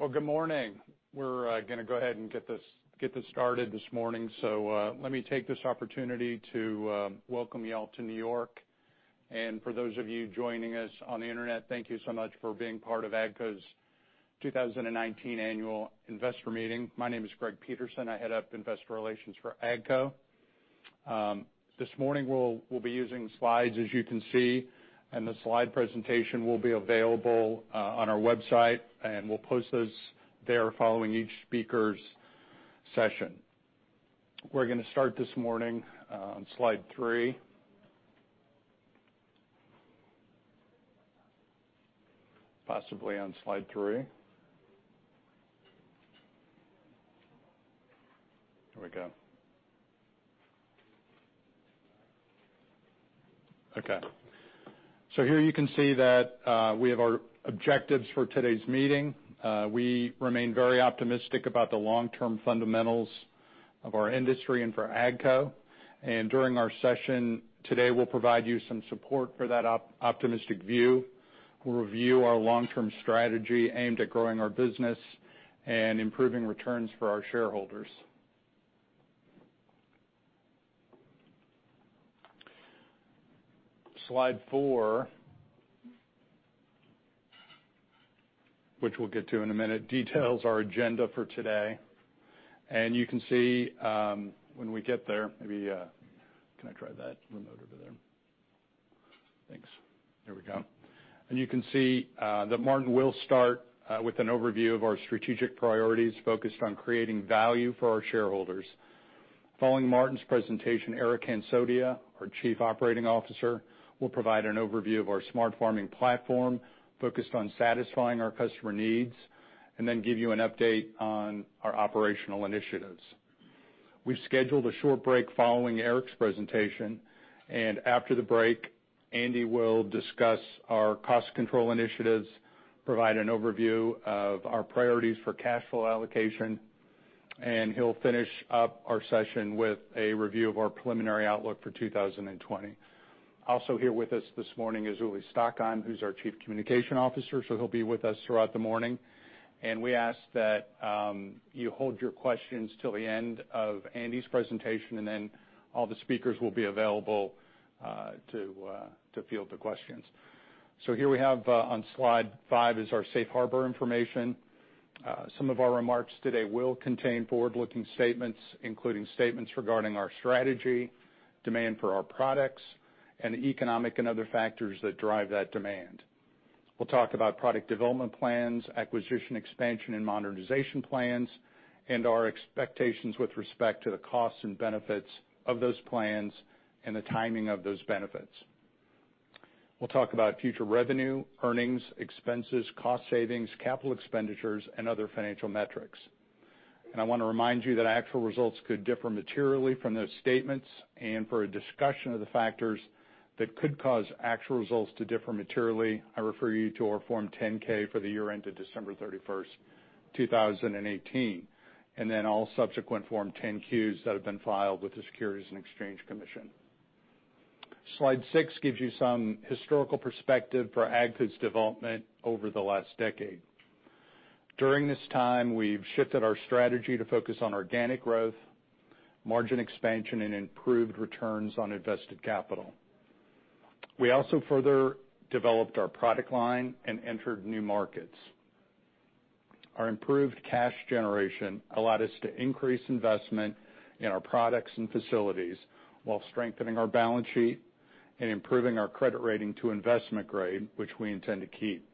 Well, good morning. We're going to go ahead and get this started this morning. Let me take this opportunity to welcome you all to New York. For those of you joining us on the internet, thank you so much for being part of AGCO's 2019 annual investor meeting. My name is Greg Peterson. I head up investor relations for AGCO. This morning, we'll be using slides, as you can see, and the slide presentation will be available on our website, and we'll post those there following each speaker's session. We're going to start this morning on slide three. Possibly on slide three. Here we go. Okay. Here you can see that we have our objectives for today's meeting. We remain very optimistic about the long-term fundamentals of our industry and for AGCO. During our session today, we'll provide you some support for that optimistic view. We'll review our long-term strategy aimed at growing our business and improving returns for our shareholders. Slide four, which we'll get to in a minute, details our agenda for today. You can see when we get there maybe, can I try that remote over there? Thanks. There we go. You can see that Martin will start with an overview of our strategic priorities focused on creating value for our shareholders. Following Martin's presentation, Eric Hansotia, our Chief Operating Officer, will provide an overview of our smart farming platform focused on satisfying our customer needs, and then give you an update on our operational initiatives. We've scheduled a short break following Eric's presentation, and after the break, Andy will discuss our cost control initiatives, provide an overview of our priorities for cash flow allocation, and he'll finish up our session with a review of our preliminary outlook for 2020. Also here with us this morning is Uli Stockheim, who's our Chief Communication Officer, so he'll be with us throughout the morning. We ask that you hold your questions till the end of Andy's presentation, and then all the speakers will be available to field the questions. Here we have on slide five is our safe harbor information. Some of our remarks today will contain forward-looking statements, including statements regarding our strategy, demand for our products, and economic and other factors that drive that demand. We'll talk about product development plans, acquisition expansion and modernization plans, and our expectations with respect to the costs and benefits of those plans and the timing of those benefits. We'll talk about future revenue, earnings, expenses, cost savings, capital expenditures, and other financial metrics. I want to remind you that actual results could differ materially from those statements. For a discussion of the factors that could cause actual results to differ materially, I refer you to our Form 10-K for the year ended December 31st, 2018. Then all subsequent Form 10-Qs that have been filed with the Securities and Exchange Commission. Slide six gives you some historical perspective for AGCO's development over the last decade. During this time, we've shifted our strategy to focus on organic growth, margin expansion, and improved returns on invested capital. We also further developed our product line and entered new markets. Our improved cash generation allowed us to increase investment in our products and facilities while strengthening our balance sheet and improving our credit rating to investment grade, which we intend to keep.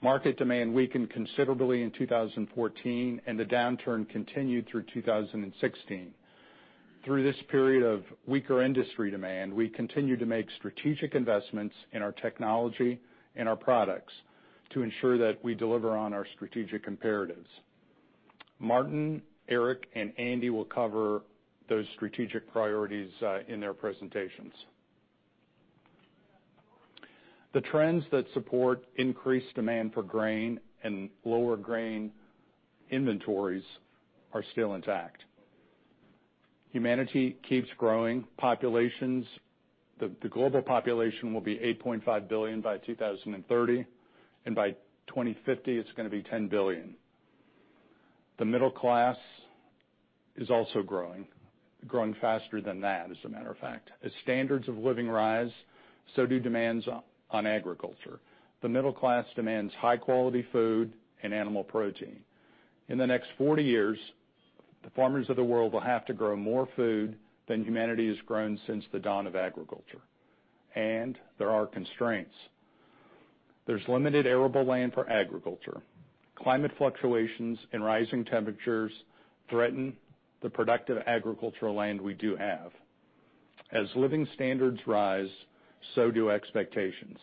Market demand weakened considerably in 2014, the downturn continued through 2016. Through this period of weaker industry demand, we continued to make strategic investments in our technology and our products to ensure that we deliver on our strategic imperatives. Martin, Eric, and Andy will cover those strategic priorities in their presentations. The trends that support increased demand for grain and lower grain inventories are still intact. Humanity keeps growing populations. The global population will be 8.5 billion by 2030, and by 2050, it's going to be 10 billion. The middle class is also growing. Growing faster than that, as a matter of fact. As standards of living rise, so do demands on agriculture. The middle class demands high-quality food and animal protein. In the next 40 years, the farmers of the world will have to grow more food than humanity has grown since the dawn of agriculture, and there are constraints. There's limited arable land for agriculture. Climate fluctuations and rising temperatures threaten the productive agricultural land we do have. As living standards rise, so do expectations.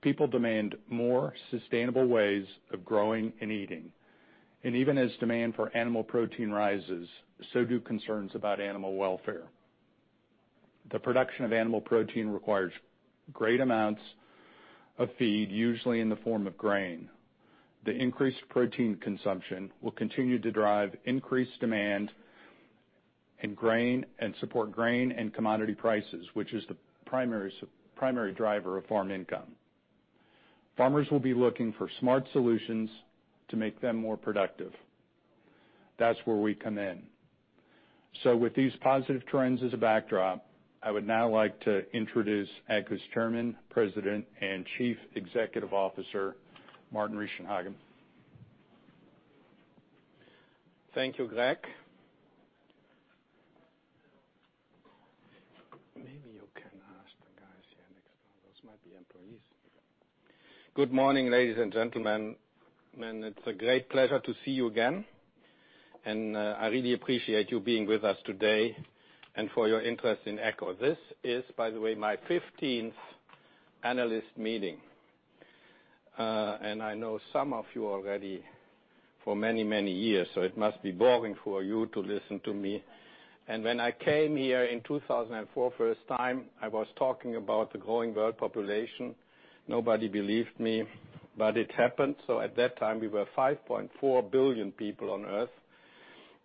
People demand more sustainable ways of growing and eating. Even as demand for animal protein rises, so do concerns about animal welfare. The production of animal protein requires great amounts of feed, usually in the form of grain. The increased protein consumption will continue to drive increased demand and support grain and commodity prices, which is the primary driver of farm income. Farmers will be looking for smart solutions to make them more productive. That's where we come in. With these positive trends as a backdrop, I would now like to introduce AGCO's Chairman, President, and Chief Executive Officer, Martin Richenhagen. Thank you, Greg. Maybe you can ask the guys here next door. Those might be employees. Good morning, ladies and gentlemen. It's a great pleasure to see you again, and I really appreciate you being with us today and for your interest in AGCO. This is, by the way, my 15th analyst meeting. I know some of you already for many, many years, it must be boring for you to listen to me. When I came here in 2004 first time, I was talking about the growing world population. Nobody believed me, it happened. At that time, we were 5.4 billion people on Earth.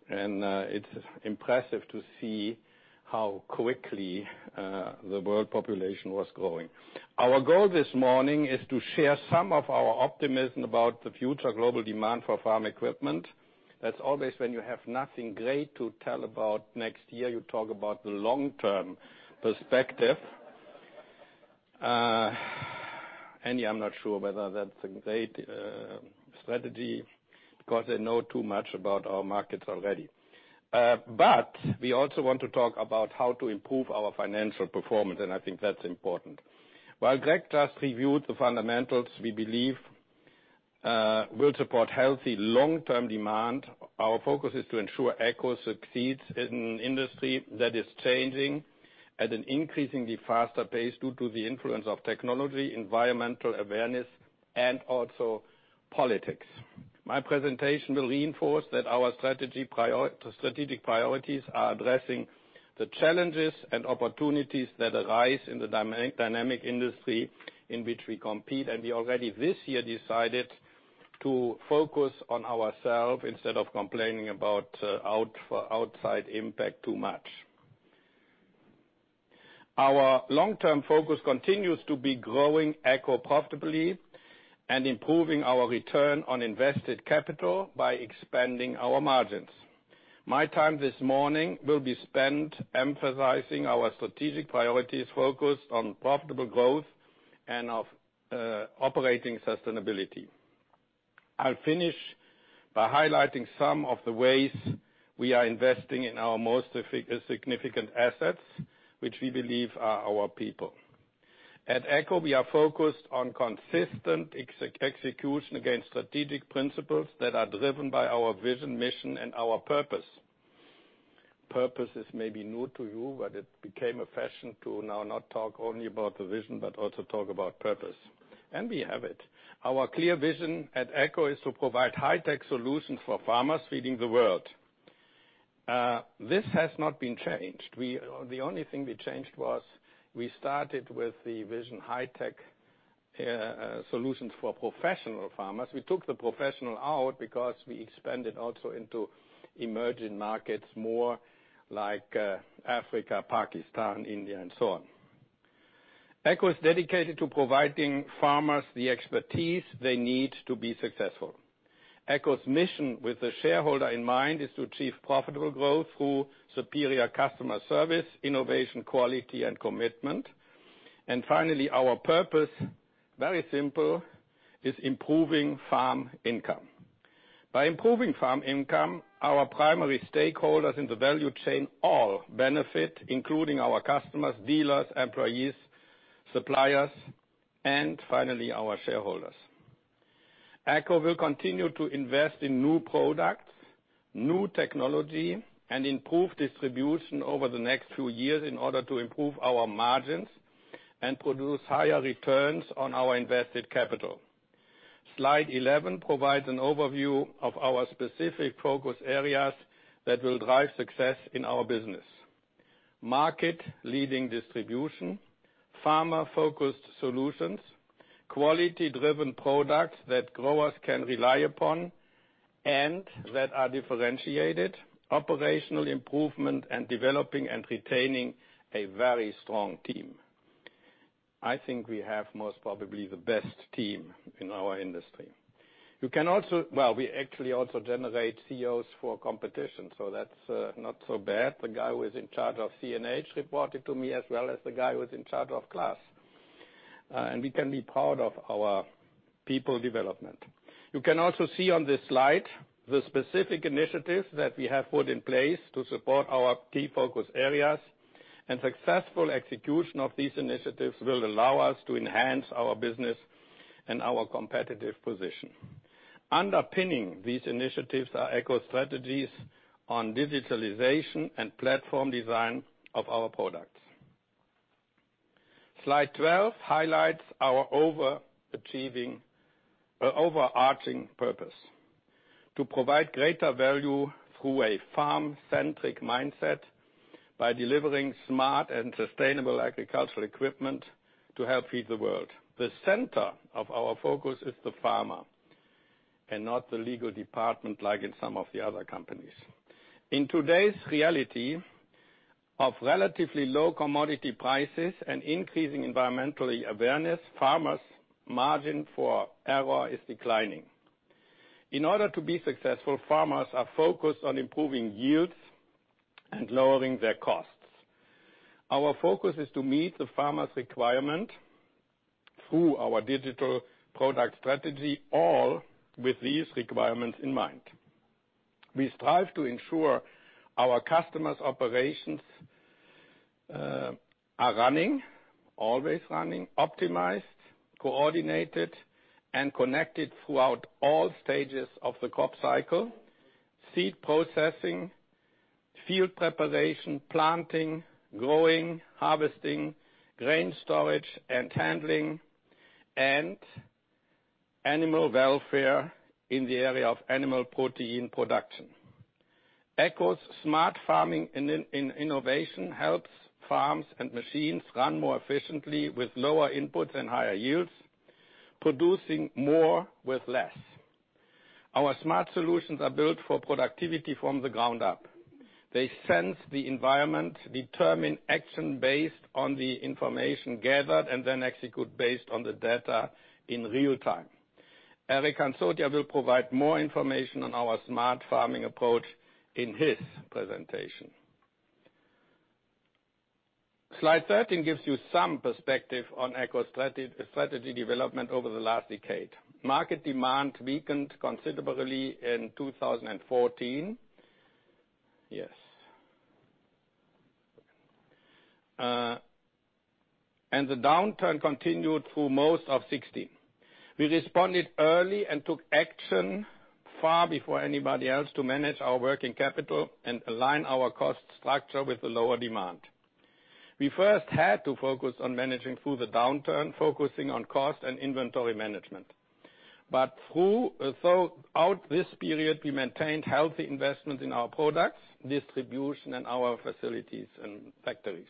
It's impressive to see how quickly the world population was growing. Our goal this morning is to share some of our optimism about the future global demand for farm equipment. That's always when you have nothing great to tell about next year, you talk about the long-term perspective. Yeah, I'm not sure whether that's a great strategy because they know too much about our markets already. We also want to talk about how to improve our financial performance, and I think that's important. While Greg just reviewed the fundamentals we believe will support healthy long-term demand, our focus is to ensure AGCO succeeds in an industry that is changing at an increasingly faster pace due to the influence of technology, environmental awareness, and also politics. My presentation will reinforce that our strategic priorities are addressing the challenges and opportunities that arise in the dynamic industry in which we compete. We already this year decided to focus on ourselves instead of complaining about outside impact too much. Our long-term focus continues to be growing AGCO profitably and improving our return on invested capital by expanding our margins. My time this morning will be spent emphasizing our strategic priorities focused on profitable growth and of operating sustainability. I'll finish by highlighting some of the ways we are investing in our most significant assets, which we believe are our people. At AGCO, we are focused on consistent execution against strategic principles that are driven by our vision, mission, and our purpose. Purpose is maybe new to you. It became a fashion to now not talk only about the vision, but also talk about purpose. We have it. Our clear vision at AGCO is to provide high-tech solutions for farmers feeding the world. This has not been changed. The only thing we changed was we started with the vision high-tech solutions for professional farmers. We took the professional out because we expanded also into emerging markets more like Africa, Pakistan, India, and so on. AGCO is dedicated to providing farmers the expertise they need to be successful. AGCO's mission with the shareholder in mind is to achieve profitable growth through superior customer service, innovation, quality, and commitment. Finally, our purpose, very simple, is improving farm income. By improving farm income, our primary stakeholders in the value chain all benefit, including our customers, dealers, employees, suppliers, and finally, our shareholders. AGCO will continue to invest in new products, new technology, and improve distribution over the next few years in order to improve our margins and produce higher returns on our invested capital. Slide 11 provides an overview of our specific focus areas that will drive success in our business. Market-leading distribution, farmer-focused solutions, quality-driven products that growers can rely upon and that are differentiated, operational improvement, and developing and retaining a very strong team. I think we have most probably the best team in our industry. Well, we actually also generate CEOs for competition, so that's not so bad. The guy who is in charge of CNH reported to me as well as the guy who's in charge of CLAAS. We can be proud of our people development. You can also see on this slide the specific initiatives that we have put in place to support our key focus areas. Successful execution of these initiatives will allow us to enhance our business and our competitive position. Underpinning these initiatives are AGCO strategies on digitalization and platform design of our products. Slide 12 highlights our overarching purpose, to provide greater value through a farm-centric mindset by delivering smart and sustainable agricultural equipment to help feed the world. The center of our focus is the farmer. And not the legal department, like in some of the other companies. In today's reality of relatively low commodity prices and increasing environmental awareness, farmers' margin for error is declining. In order to be successful, farmers are focused on improving yields and lowering their costs. Our focus is to meet the farmers' requirement through our digital product strategy, all with these requirements in mind. We strive to ensure our customers' operations are running, always running, optimized, coordinated, and connected throughout all stages of the crop cycle: seed processing, field preparation, planting, growing, harvesting, grain storage and handling, and animal welfare in the area of animal protein production. AGCO's smart farming innovation helps farms and machines run more efficiently with lower inputs and higher yields, producing more with less. Our smart solutions are built for productivity from the ground up. They sense the environment, determine action based on the information gathered, and then execute based on the data in real-time. Eric Hansotia will provide more information on our smart farming approach in his presentation. Slide 13 gives you some perspective on AGCO's strategy development over the last decade. Market demand weakened considerably in 2014. The downturn continued through most of 2016. We responded early and took action far before anybody else to manage our working capital and align our cost structure with the lower demand. We first had to focus on managing through the downturn, focusing on cost and inventory management. Throughout this period, we maintained healthy investment in our products, distribution, and our facilities and factories.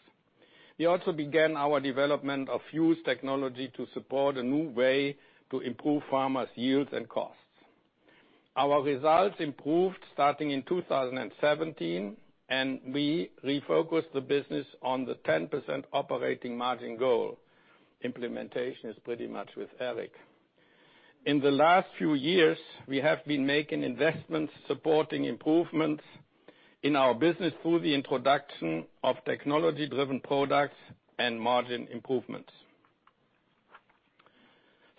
We also began our development of Fuse technology to support a new way to improve farmers' yields and costs. Our results improved starting in 2017, and we refocused the business on the 10% operating margin goal. Implementation is pretty much with Eric. In the last few years, we have been making investments supporting improvements in our business through the introduction of technology-driven products and margin improvements.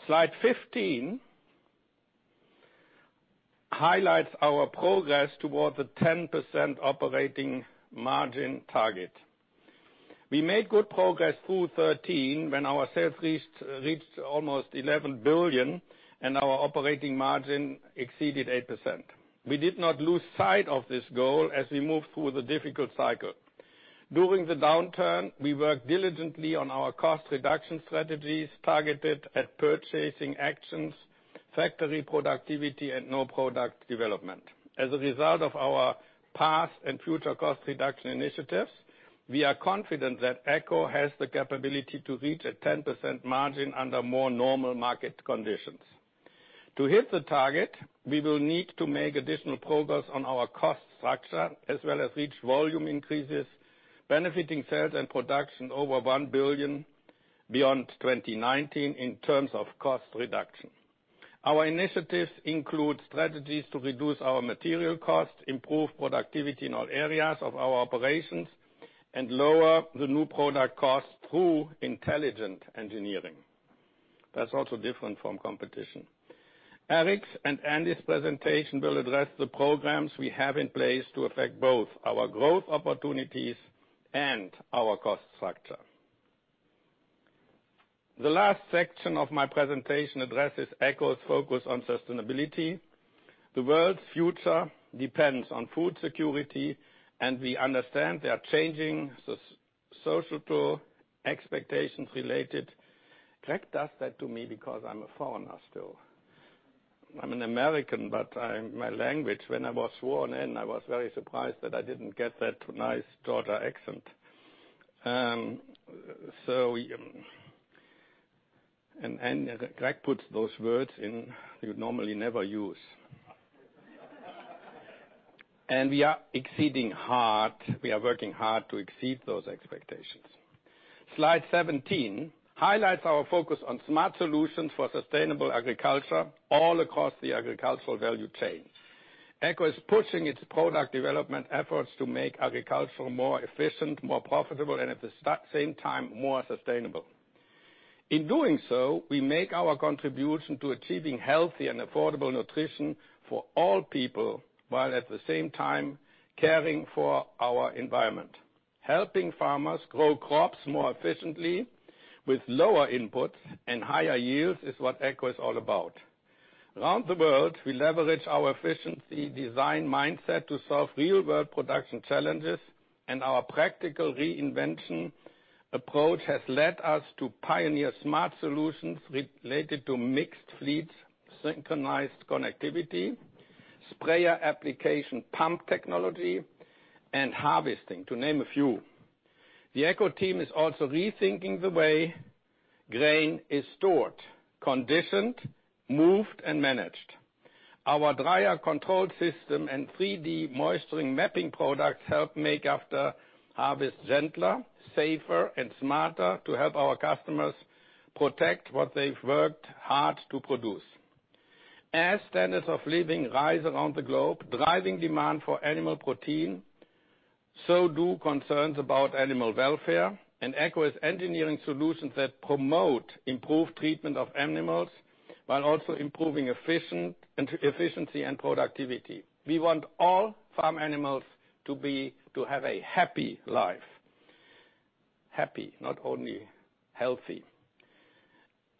Slide 15 highlights our progress towards a 10% operating margin target. We made good progress through 2013 when our sales reached almost $11 billion, and our operating margin exceeded 8%. We did not lose sight of this goal as we moved through the difficult cycle. During the downturn, we worked diligently on our cost reduction strategies targeted at purchasing actions, factory productivity, and new product development. As a result of our past and future cost reduction initiatives, we are confident that AGCO has the capability to reach a 10% margin under more normal market conditions. To hit the target, we will need to make additional progress on our cost structure as well as reach volume increases, benefiting sales and production over $1 billion beyond 2019 in terms of cost reduction. Our initiatives include strategies to reduce our material costs, improve productivity in all areas of our operations, and lower the new product cost through intelligent engineering. That's also different from competition. Eric's and Andy's presentation will address the programs we have in place to affect both our growth opportunities and our cost structure. The last section of my presentation addresses AGCO's focus on sustainability. The world's future depends on food security. We understand there are changing societal expectations related Greg does that to me because I'm a foreigner still. I'm an American, my language, when I was sworn in, I was very surprised that I didn't get that nice Georgia accent. Greg puts those words in you'd normally never use. We are working hard to exceed those expectations. Slide 17 highlights our focus on smart solutions for sustainable agriculture all across the agricultural value chain. AGCO is pushing its product development efforts to make agriculture more efficient, more profitable, and at the same time, more sustainable. In doing so, we make our contribution to achieving healthy and affordable nutrition for all people while at the same time caring for our environment. Helping farmers grow crops more efficiently with lower inputs and higher yields is what AGCO is all about. Around the world, we leverage our efficiency design mindset to solve real-world production challenges, and our practical reinvention approach has led us to pioneer smart solutions related to mixed fleets, synchronized connectivity, sprayer application pump technology, and harvesting, to name a few. The AGCO team is also rethinking the way grain is stored, conditioned, moved, and managed. Our dryer control system and 3D moistening mapping products help make after-harvest gentler, safer, and smarter to help our customers protect what they've worked hard to produce. As standards of living rise around the globe, driving demand for animal protein, so do concerns about animal welfare, and AGCO's engineering solutions that promote improved treatment of animals while also improving efficiency and productivity. We want all farm animals to have a happy life, happy, not only healthy.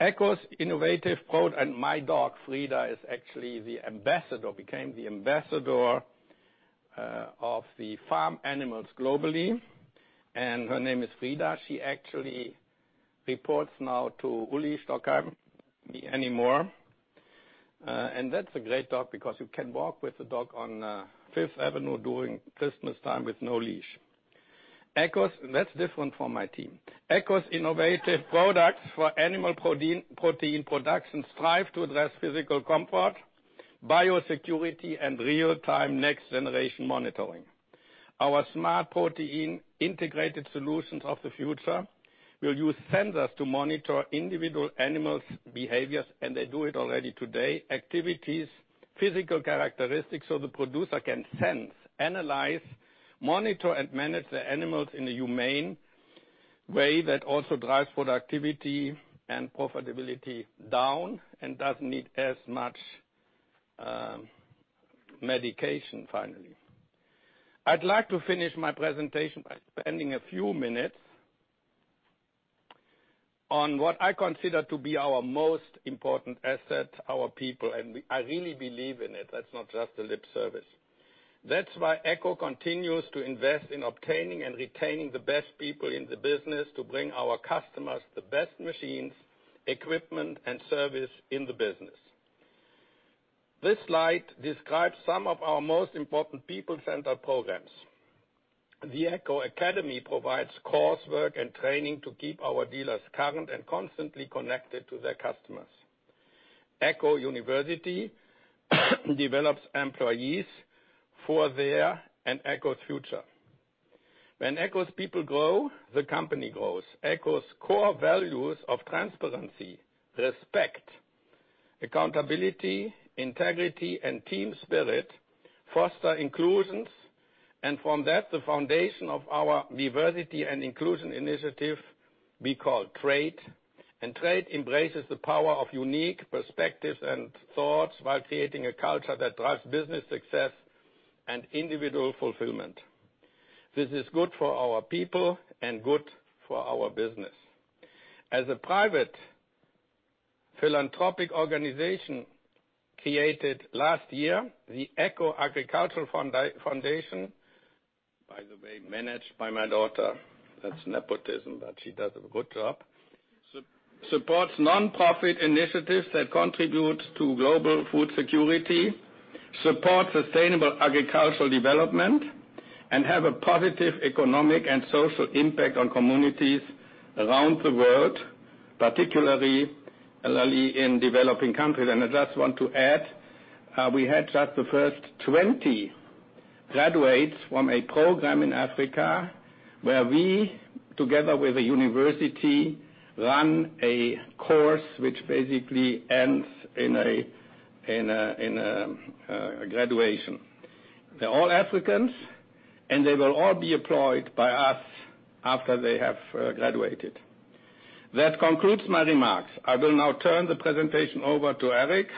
AGCO's innovative product, and my dog, Frida, is actually the ambassador, became the ambassador of the farm animals globally, and her name is Frida. She actually reports now to Uli Stockheim, me anymore. That's a great dog because you can walk with the dog on Fifth Avenue during Christmas time with no leash. That's different for my team. AGCO's innovative products for animal protein production strive to address physical comfort, biosecurity, and real-time next generation monitoring. Our SmartProtein integrated solutions of the future will use sensors to monitor individual animals' behaviors, and they do it already today, activities, physical characteristics, so the producer can sense, analyze, monitor, and manage their animals in a humane way that also drives productivity and profitability down and doesn't need as much medication finally. I'd like to finish my presentation by spending a few minutes on what I consider to be our most important asset, our people. I really believe in it. That's not just a lip service. That's why AGCO continues to invest in obtaining and retaining the best people in the business to bring our customers the best machines, equipment, and service in the business. This slide describes some of our most important people-centered programs. The AGCO Academy provides coursework and training to keep our dealers current and constantly connected to their customers. AGCO University develops employees for their and AGCO's future. When AGCO's people grow, the company grows. AGCO's core values of transparency, respect, accountability, integrity, and team spirit foster inclusions, and from that, the foundation of our diversity and inclusion initiative we call TRADE. TRADE embraces the power of unique perspectives and thoughts while creating a culture that drives business success and individual fulfillment. This is good for our people and good for our business. As a private philanthropic organization created last year, the AGCO Agriculture Foundation, by the way, managed by my daughter, that's nepotism, but she does a good job, supports nonprofit initiatives that contribute to global food security, support sustainable agricultural development, and have a positive economic and social impact on communities around the world, particularly in developing countries. I just want to add, we had just the first 20 graduates from a program in Africa where we, together with a university, run a course which basically ends in a graduation. They're all Africans, and they will all be employed by us after they have graduated. That concludes my remarks. I will now turn the presentation over to Eric,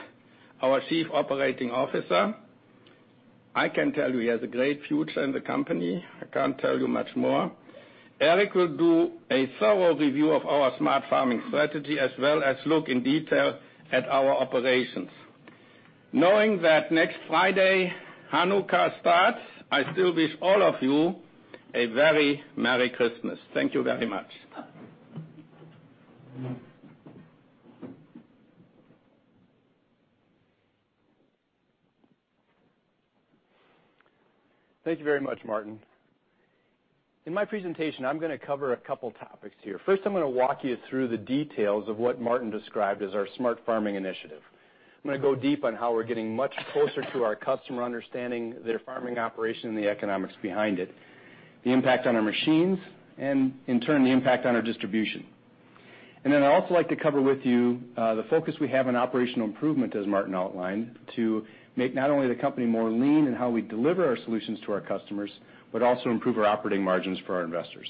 our Chief Operating Officer. I can tell you he has a great future in the company. I can't tell you much more. Eric will do a thorough review of our smart farming strategy, as well as look in detail at our operations. Knowing that next Friday, Hanukkah starts, I still wish all of you a very merry Christmas. Thank you very much. Thank you very much, Martin. In my presentation, I'm going to cover a couple topics here. First, I'm going to walk you through the details of what Martin described as our smart farming initiative. I'm going to go deep on how we're getting much closer to our customer, understanding their farming operation and the economics behind it, the impact on our machines, and in turn, the impact on our distribution. I'd also like to cover with you the focus we have on operational improvement, as Martin outlined, to make not only the company more lean in how we deliver our solutions to our customers, but also improve our operating margins for our investors.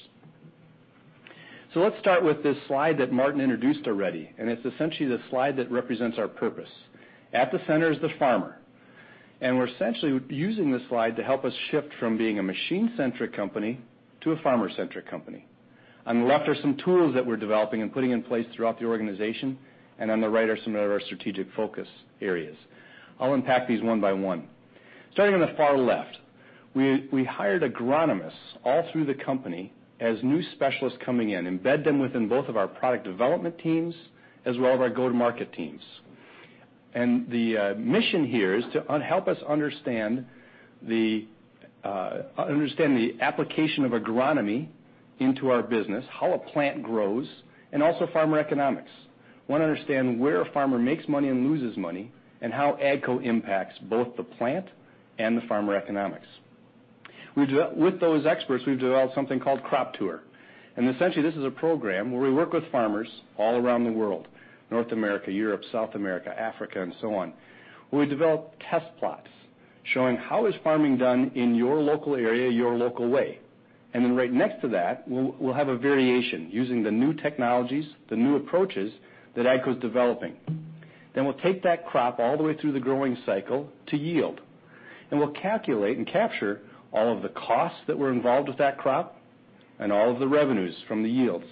Let's start with this slide that Martin introduced already, and it's essentially the slide that represents our purpose. At the center is the farmer, and we're essentially using this slide to help us shift from being a machine-centric company to a farmer-centric company. On the left are some tools that we're developing and putting in place throughout the organization, and on the right are some of our strategic focus areas. I'll unpack these one by one. Starting on the far left, we hired agronomists all through the company as new specialists coming in, embed them within both of our product development teams as well as our go-to-market teams. The mission here is to help us understand the application of agronomy into our business, how a plant grows, and also farmer economics. We want to understand where a farmer makes money and loses money, and how AGCO impacts both the plant and the farmer economics. With those experts, we've developed something called Crop Tour. Essentially, this is a program where we work with farmers all around the world, North America, Europe, South America, Africa, and so on, where we develop test plots showing how is farming done in your local area, your local way. Right next to that, we'll have a variation using the new technologies, the new approaches that AGCO's developing. We'll take that crop all the way through the growing cycle to yield, and we'll calculate and capture all of the costs that were involved with that crop and all of the revenues from the yields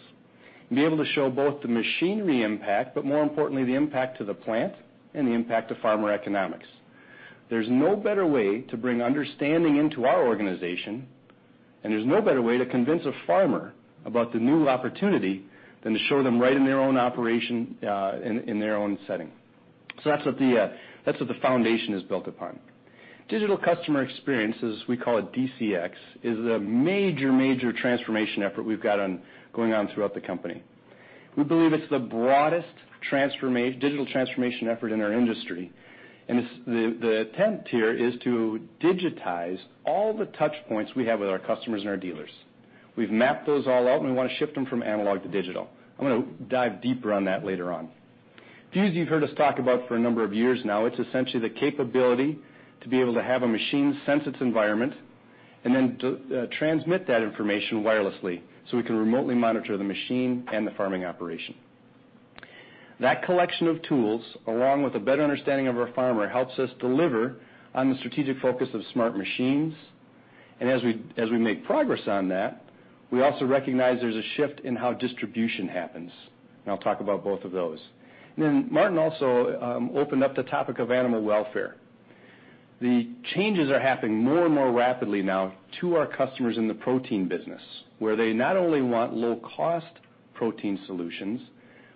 and be able to show both the machinery impact, but more importantly, the impact to the plant and the impact to farmer economics. There's no better way to bring understanding into our organization, and there's no better way to convince a farmer about the new opportunity than to show them right in their own operation, in their own setting. That's what the foundation is built upon. Digital customer experience, as we call it, DCX, is a major transformation effort we've got going on throughout the company. We believe it's the broadest digital transformation effort in our industry. The attempt here is to digitize all the touch points we have with our customers and our dealers. We've mapped those all out, and we want to shift them from analog to digital. I'm going to dive deeper on that later on. Fuse, you've heard us talk about for a number of years now. It's essentially the capability to be able to have a machine sense its environment and then transmit that information wirelessly so we can remotely monitor the machine and the farming operation. That collection of tools, along with a better understanding of our farmer, helps us deliver on the strategic focus of smart machines. As we make progress on that, we also recognize there's a shift in how distribution happens. I'll talk about both of those. Martin also opened up the topic of animal welfare. The changes are happening more and more rapidly now to our customers in the protein business, where they not only want low-cost protein solutions,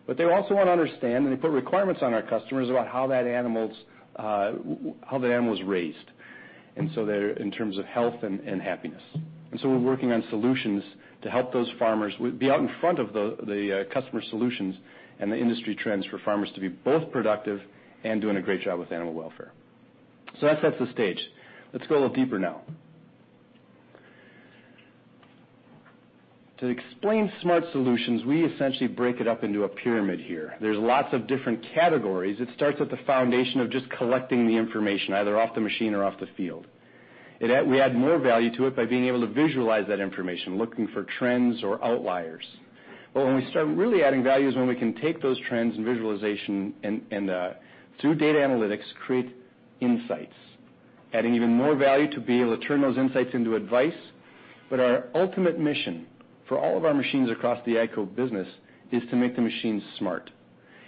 but they also want to understand, and they put requirements on our customers about how that animal is raised, and so in terms of health and happiness. We're working on solutions to help those farmers be out in front of the customer solutions and the industry trends for farmers to be both productive and doing a great job with animal welfare. That sets the stage. Let's go a little deeper now. To explain smart solutions, we essentially break it up into a pyramid here. There's lots of different categories. It starts with the foundation of just collecting the information, either off the machine or off the field. We add more value to it by being able to visualize that information, looking for trends or outliers. When we start really adding value is when we can take those trends and visualization and through data analytics, create insights, adding even more value to be able to turn those insights into advice. Our ultimate mission for all of our machines across the AGCO business is to make the machines smart.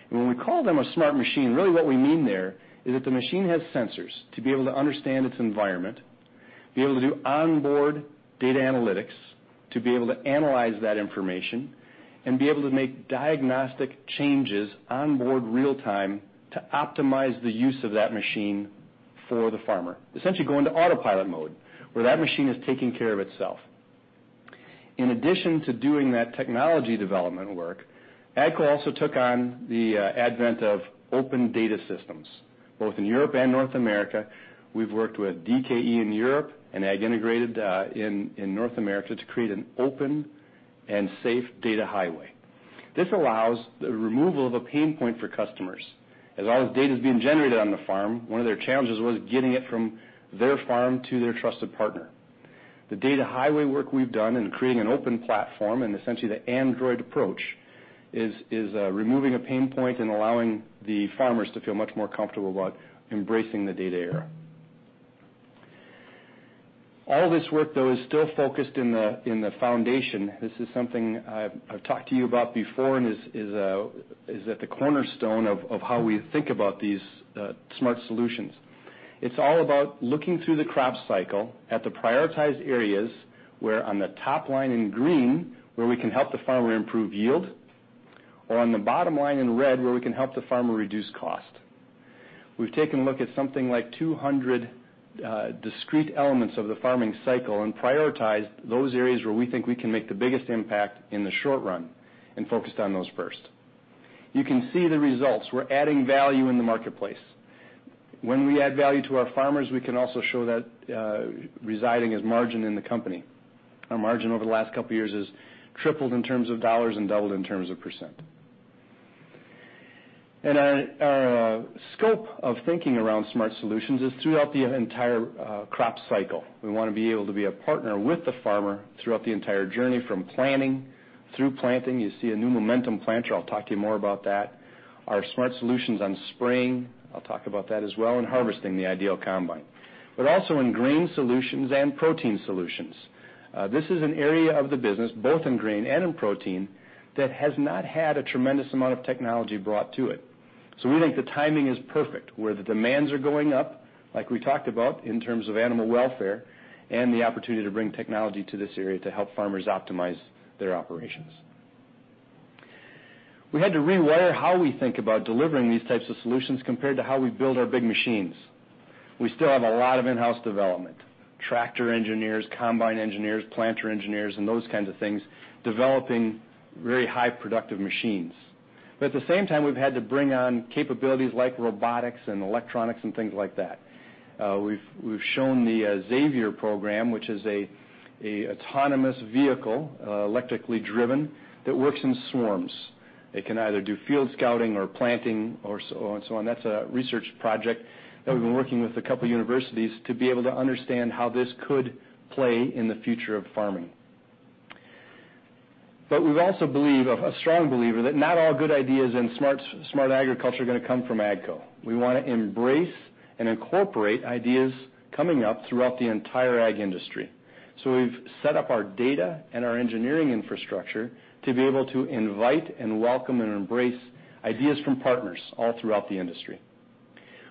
When we call them a smart machine, really what we mean there is that the machine has sensors to be able to understand its environment, be able to do onboard data analytics, to be able to analyze that information, and be able to make diagnostic changes onboard real-time to optimize the use of that machine for the farmer. Essentially going to autopilot mode, where that machine is taking care of itself. In addition to doing that technology development work, AGCO also took on the advent of open data systems, both in Europe and North America. We've worked with DKE in Europe and AgIntegrated in North America to create an open and safe data highway. This allows the removal of a pain point for customers. As all this data is being generated on the farm, one of their challenges was getting it from their farm to their trusted partner. The data highway work we've done in creating an open platform and essentially the Android approach is removing a pain point and allowing the farmers to feel much more comfortable about embracing the data era. All this work, though, is still focused in the foundation. This is something I've talked to you about before and is at the cornerstone of how we think about these smart solutions. It's all about looking through the crop cycle at the prioritized areas, where on the top line in green, where we can help the farmer improve yield, or on the bottom line in red, where we can help the farmer reduce cost. We've taken a look at something like 200 discrete elements of the farming cycle and prioritized those areas where we think we can make the biggest impact in the short run and focused on those first. You can see the results. We're adding value in the marketplace. When we add value to our farmers, we can also show that residing as margin in the company. Our margin over the last couple of years has tripled in terms of dollars and doubled in terms of percent. Our scope of thinking around smart solutions is throughout the entire crop cycle. We want to be able to be a partner with the farmer throughout the entire journey, from planning through planting. You see a new Momentum planter. I'll talk to you more about that. Our smart solutions on spraying, I'll talk about that as well, and harvesting the IDEAL Combine. Also in grain solutions and protein solutions. This is an area of the business, both in grain and in protein, that has not had a tremendous amount of technology brought to it. We think the timing is perfect, where the demands are going up, like we talked about in terms of animal welfare, and the opportunity to bring technology to this area to help farmers optimize their operations. We had to rewire how we think about delivering these types of solutions compared to how we build our big machines. We still have a lot of in-house development, tractor engineers, combine engineers, planter engineers, and those kinds of things, developing very high productive machines. At the same time, we've had to bring on capabilities like robotics and electronics and things like that. We've shown the Xaver program, which is a autonomous vehicle, electrically driven, that works in swarms. It can either do field scouting or planting or so on. That's a research project that we've been working with a couple universities to be able to understand how this could play in the future of farming. We also believe, are a strong believer, that not all good ideas in smart agriculture are going to come from AGCO. We want to embrace and incorporate ideas coming up throughout the entire ag industry. We've set up our data and our engineering infrastructure to be able to invite and welcome and embrace ideas from partners all throughout the industry.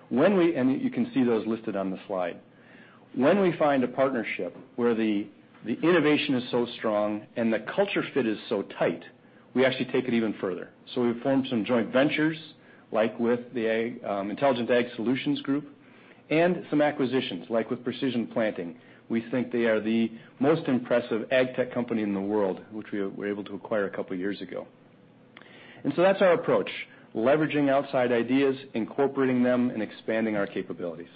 You can see those listed on the slide. When we find a partnership where the innovation is so strong and the culture fit is so tight, we actually take it even further. We've formed some joint ventures, like with the Intelligent Ag Solutions group, and some acquisitions, like with Precision Planting. We think they are the most impressive ag tech company in the world, which we were able to acquire a couple years ago. That's our approach, leveraging outside ideas, incorporating them, and expanding our capabilities.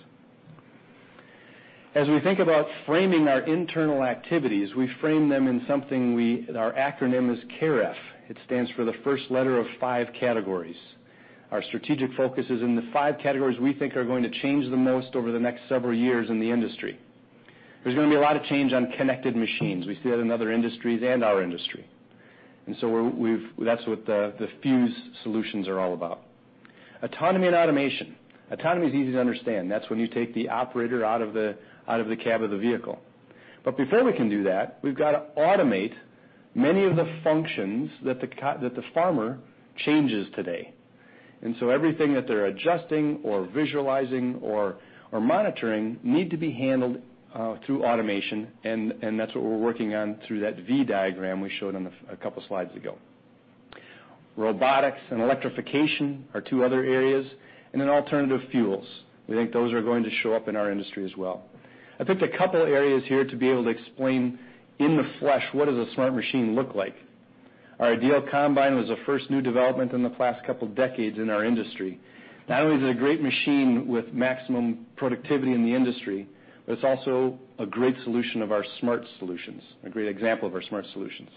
As we think about framing our internal activities, we frame them in something. Our acronym is CAREF. It stands for the first letter of five categories. Our strategic focus is in the five categories we think are going to change the most over the next several years in the industry. There's going to be a lot of change on connected machines. We see that in other industries and our industry. That's what the Fuse solutions are all about. Autonomy and automation. Autonomy is easy to understand. That's when you take the operator out of the cab of the vehicle. Before we can do that, we've got to automate many of the functions that the farmer changes today. Everything that they're adjusting or visualizing or monitoring need to be handled through automation, and that's what we're working on through that V diagram we showed a couple slides ago. Robotics and electrification are two other areas, alternative fuels. We think those are going to show up in our industry as well. I picked a couple areas here to be able to explain in the flesh, what does a smart machine look like? Our IDEAL Combine was the first new development in the past couple of decades in our industry. Not only is it a great machine with maximum productivity in the industry, but it's also a great solution of our smart solutions, a great example of our smart solutions,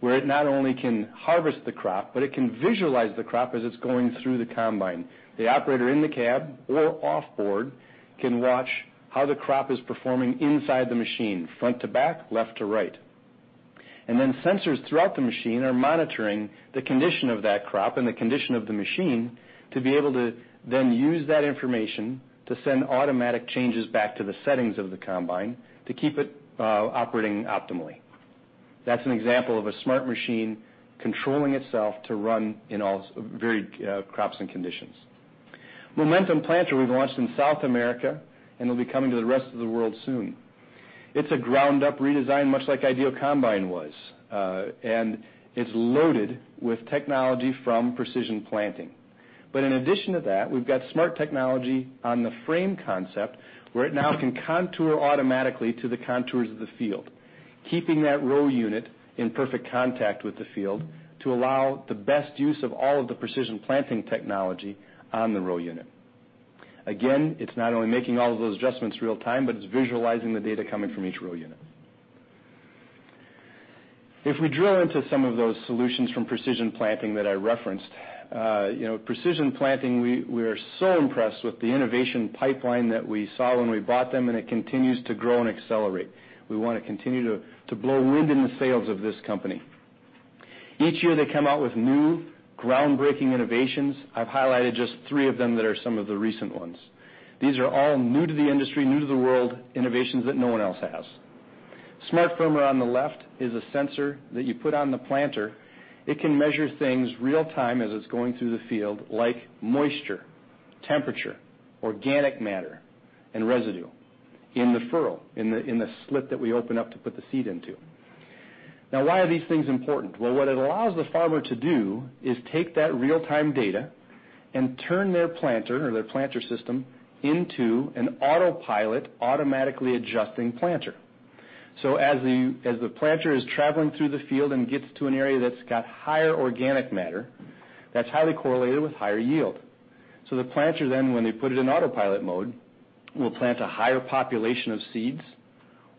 where it not only can harvest the crop, but it can visualize the crop as it's going through the combine. The operator in the cab or off-board can watch how the crop is performing inside the machine, front to back, left to right. Sensors throughout the machine are monitoring the condition of that crop and the condition of the machine to be able to then use that information to send automatic changes back to the settings of the combine to keep it operating optimally. That's an example of a smart machine controlling itself to run in all varied crops and conditions. Momentum planter we've launched in South America. It'll be coming to the rest of the world soon. It's a ground-up redesign, much like IDEAL Combine was, and it's loaded with technology from Precision Planting. In addition to that, we've got smart technology on the frame concept, where it now can contour automatically to the contours of the field, keeping that row unit in perfect contact with the field to allow the best use of all of the precision planting technology on the row unit. Again, it's not only making all of those adjustments real-time, but it's visualizing the data coming from each row unit. If we drill into some of those solutions from Precision Planting that I referenced. Precision Planting, we are so impressed with the innovation pipeline that we saw when we bought them, and it continues to grow and accelerate. We want to continue to blow wind in the sails of this company. Each year, they come out with new, groundbreaking innovations. I've highlighted just three of them that are some of the recent ones. These are all new to the industry, new to the world innovations that no one else has. SmartFirmer on the left is a sensor that you put on the planter. It can measure things real-time as it's going through the field, like moisture, temperature, organic matter, and residue in the furrow, in the slit that we open up to put the seed into. Well, why are these things important? What it allows the farmer to do is take that real-time data and turn their planter or their planter system into an autopilot, automatically adjusting planter. As the planter is traveling through the field and gets to an area that's got higher organic matter, that's highly correlated with higher yield. The planter then, when they put it in autopilot mode, will plant a higher population of seeds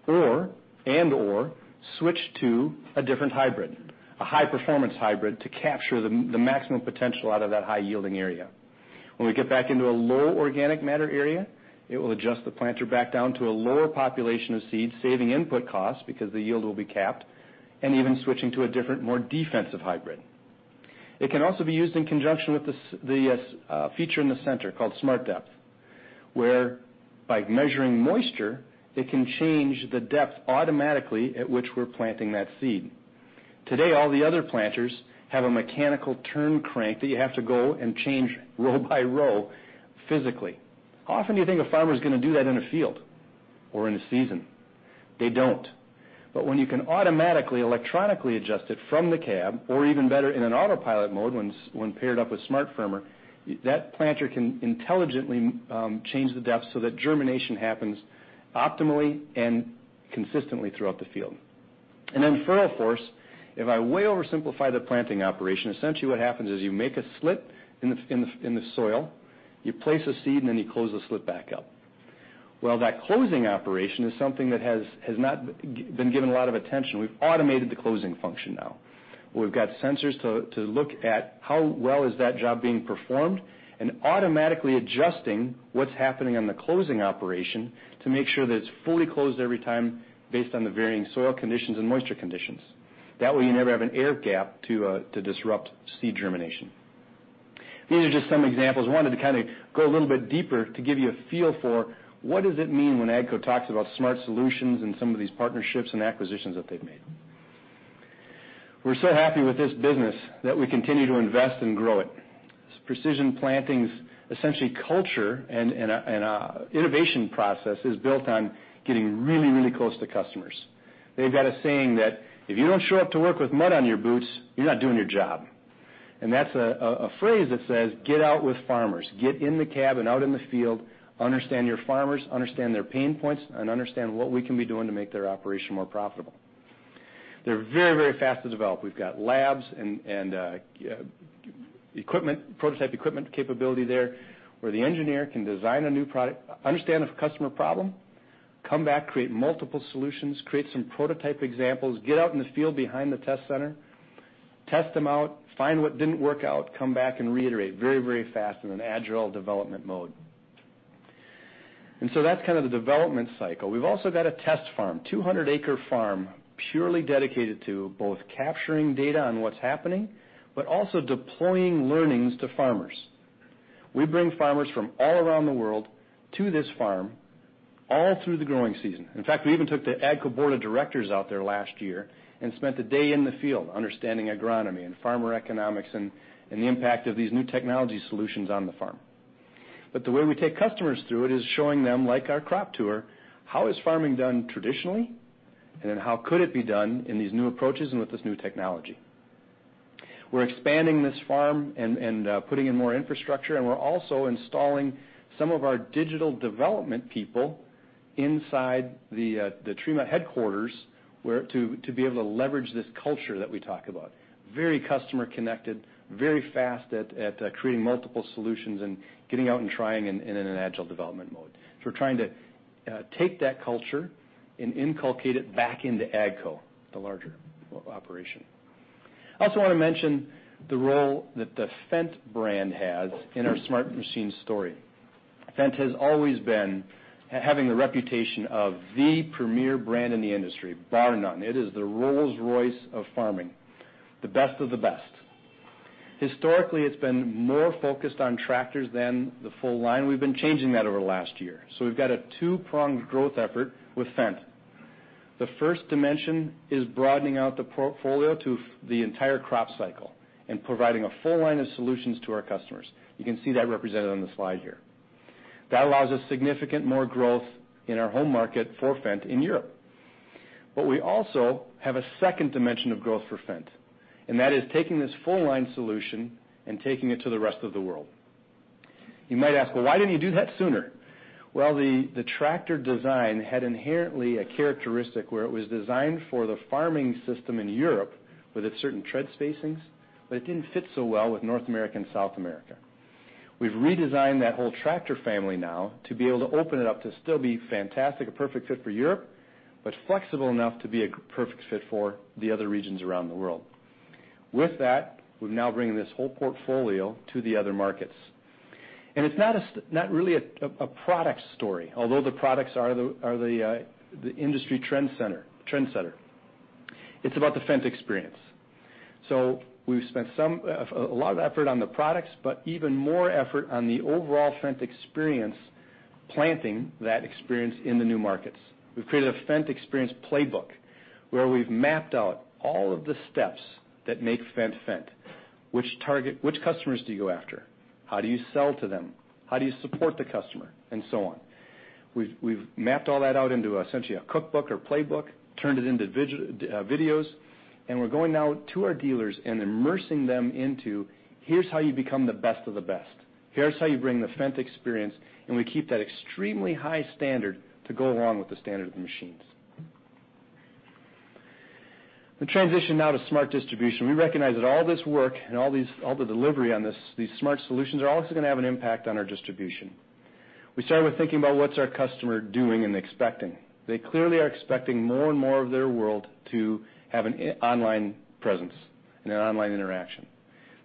and/or switch to a different hybrid, a high performance hybrid to capture the maximum potential out of that high yielding area. When we get back into a low organic matter area, it will adjust the planter back down to a lower population of seeds, saving input costs because the yield will be capped, and even switching to a different, more defensive hybrid. It can also be used in conjunction with the feature in the center called SmartDepth, where by measuring moisture, it can change the depth automatically at which we're planting that seed. Today, all the other planters have a mechanical turn crank that you have to go and change row by row physically. How often do you think a farmer is going to do that in a field or in a season? They don't. When you can automatically electronically adjust it from the cab, or even better, in an autopilot mode when paired up with SmartFirmer, that planter can intelligently change the depth so that germination happens optimally and consistently throughout the field. FurrowForce, if I way oversimplify the planting operation, essentially what happens is you make a slit in the soil, you place a seed, and then you close the slit back up. That closing operation is something that has not been given a lot of attention. We've automated the closing function now. We've got sensors to look at how well is that job being performed and automatically adjusting what's happening on the closing operation to make sure that it's fully closed every time based on the varying soil conditions and moisture conditions. That way, you never have an air gap to disrupt seed germination. These are just some examples. I wanted to go a little bit deeper to give you a feel for what does it mean when AGCO talks about smart solutions and some of these partnerships and acquisitions that they've made. We're so happy with this business that we continue to invest and grow it. Precision Planting's essentially culture and innovation process is built on getting really close to customers. They've got a saying that, "If you don't show up to work with mud on your boots, you're not doing your job." That's a phrase that says, "Get out with farmers, get in the cab and out in the field, understand your farmers, understand their pain points, and understand what we can be doing to make their operation more profitable." They're very fast to develop. We've got labs and equipment, prototype equipment capability there, where the engineer can design a new product, understand a customer problem, come back, create multiple solutions, create some prototype examples, get out in the field behind the test center, test them out, find what didn't work out, come back and reiterate very fast in an agile development mode. That's the development cycle. We've also got a test farm, 200-acre farm, purely dedicated to both capturing data on what's happening, but also deploying learnings to farmers. We bring farmers from all around the world to this farm all through the growing season. In fact, we even took the AGCO Board of Directors out there last year and spent a day in the field understanding agronomy and farmer economics and the impact of these new technology solutions on the farm. The way we take customers through it is showing them, like our Crop Tour, how is farming done traditionally, and then how could it be done in these new approaches and with this new technology. We're expanding this farm and putting in more infrastructure, and we're also installing some of our digital development people inside the Tremont headquarters to be able to leverage this culture that we talk about. Very customer connected, very fast at creating multiple solutions and getting out and trying in an agile development mode. We're trying to take that culture and inculcate it back into AGCO, the larger operation. I also want to mention the role that the Fendt brand has in our smart machine story. Fendt has always been having the reputation of the premier brand in the industry, bar none. It is the Rolls-Royce of farming, the best of the best. Historically, it's been more focused on tractors than the full line. We've been changing that over the last year. We've got a two-pronged growth effort with Fendt. The first dimension is broadening out the portfolio to the entire crop cycle and providing a full line of solutions to our customers. You can see that represented on the slide here. That allows us significant more growth in our home market for Fendt in Europe. We also have a second dimension of growth for Fendt, and that is taking this full-line solution and taking it to the rest of the world. You might ask, "Well, why didn't you do that sooner?" The tractor design had inherently a characteristic where it was designed for the farming system in Europe with its certain tread spacings, but it didn't fit so well with North America and South America. We've redesigned that whole tractor family now to be able to open it up to still be fantastic, a perfect fit for Europe, but flexible enough to be a perfect fit for the other regions around the world. With that, we've now bringing this whole portfolio to the other markets. It's not really a product story, although the products are the industry trend setter. It's about the Fendt experience. We've spent a lot of effort on the products, but even more effort on the overall Fendt experience, planting that experience in the new markets. We've created a Fendt Experience Playbook, where we've mapped out all of the steps that make Fendt. Which customers do you go after? How do you sell to them? How do you support the customer? So on. We've mapped all that out into essentially a cookbook or playbook, turned it into videos, and we're going now to our dealers and immersing them into, here's how you become the best of the best. Here's how you bring the Fendt experience, and we keep that extremely high standard to go along with the standard of the machines. The transition now to smart distribution. We recognize that all this work and all the delivery on these smart solutions are also going to have an impact on our distribution. We started with thinking about what's our customer doing and expecting. They clearly are expecting more and more of their world to have an online presence and an online interaction.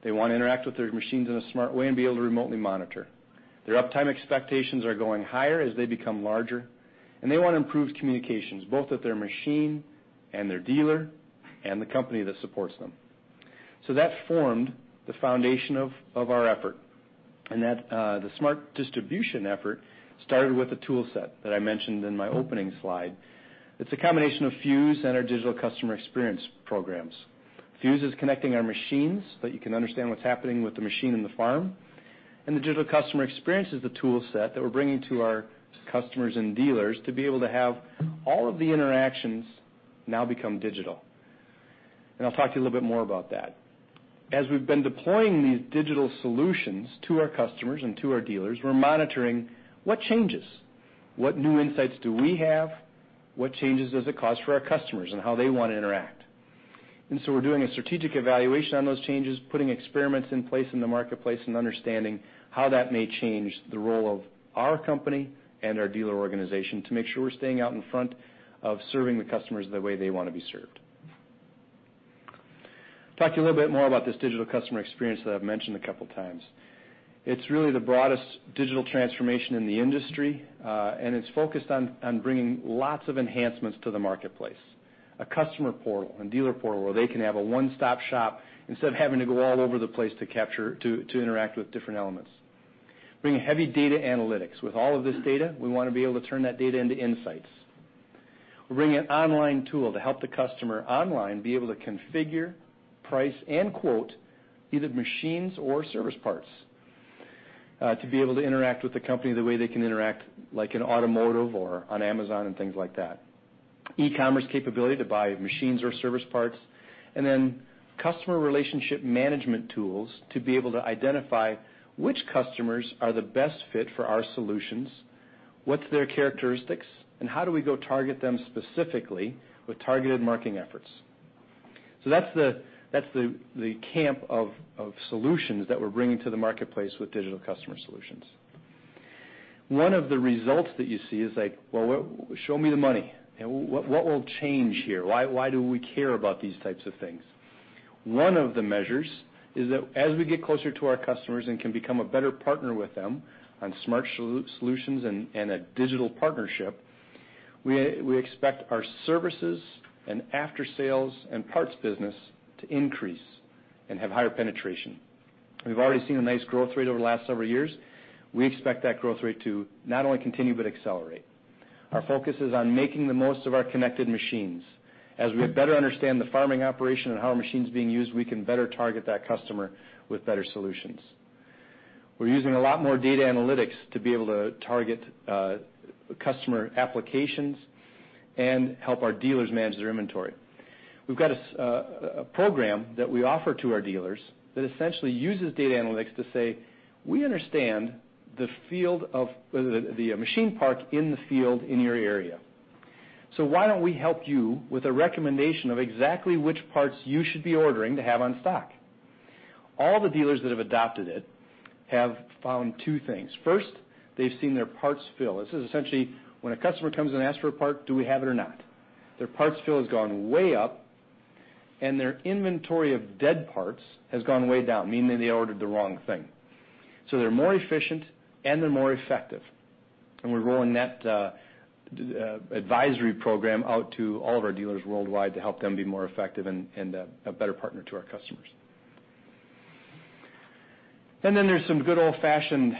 They want to interact with their machines in a smart way and be able to remotely monitor. Their uptime expectations are going higher as they become larger, and they want to improve communications, both with their machine and their dealer and the company that supports them. That formed the foundation of our effort, and the smart distribution effort started with a toolset that I mentioned in my opening slide. It's a combination of Fuse and our digital customer experience programs. Fuse is connecting our machines, that you can understand what's happening with the machine in the farm. The digital customer experience is the tool set that we're bringing to our customers and dealers to be able to have all of the interactions now become digital. I'll talk to you a little bit more about that. As we've been deploying these digital solutions to our customers and to our dealers, we're monitoring what changes. What new insights do we have. What changes does it cause for our customers and how they want to interact. We're doing a strategic evaluation on those changes, putting experiments in place in the marketplace, and understanding how that may change the role of our company and our dealer organization to make sure we're staying out in front of serving the customers the way they want to be served. Talk to you a little bit more about this digital customer experience that I've mentioned a couple times. It's really the broadest digital transformation in the industry. It's focused on bringing lots of enhancements to the marketplace. A customer portal and dealer portal where they can have a one-stop shop instead of having to go all over the place to interact with different elements. Bringing heavy data analytics. With all of this data, we want to be able to turn that data into insights. We're bringing an online tool to help the customer online be able to configure, price, and quote either machines or service parts, to be able to interact with the company the way they can interact, like in automotive or on Amazon and things like that. E-commerce capability to buy machines or service parts. Customer relationship management tools to be able to identify which customers are the best fit for our solutions, what's their characteristics, and how do we go target them specifically with targeted marketing efforts. That's the camp of solutions that we're bringing to the marketplace with digital customer solutions. One of the results that you see is like, "Well, show me the money. What will change here? Why do we care about these types of things? One of the measures is that as we get closer to our customers and can become a better partner with them on smart solutions and a digital partnership, we expect our services and after-sales and parts business to increase and have higher penetration. We've already seen a nice growth rate over the last several years. We expect that growth rate to not only continue but accelerate. Our focus is on making the most of our connected machines. As we better understand the farming operation and how our machine's being used, we can better target that customer with better solutions. We're using a lot more data analytics to be able to target customer applications and help our dealers manage their inventory. We've got a program that we offer to our dealers that essentially uses data analytics to say, "We understand the machine park in the field in your area. Why don't we help you with a recommendation of exactly which parts you should be ordering to have on stock?" All the dealers that have adopted it have found two things. First, they've seen their parts fill. This is essentially when a customer comes and asks for a part, do we have it or not? Their parts fill has gone way up and their inventory of dead parts has gone way down, meaning they ordered the wrong thing. They're more efficient and they're more effective. We're rolling that advisory program out to all of our dealers worldwide to help them be more effective and a better partner to our customers. There's some good old-fashioned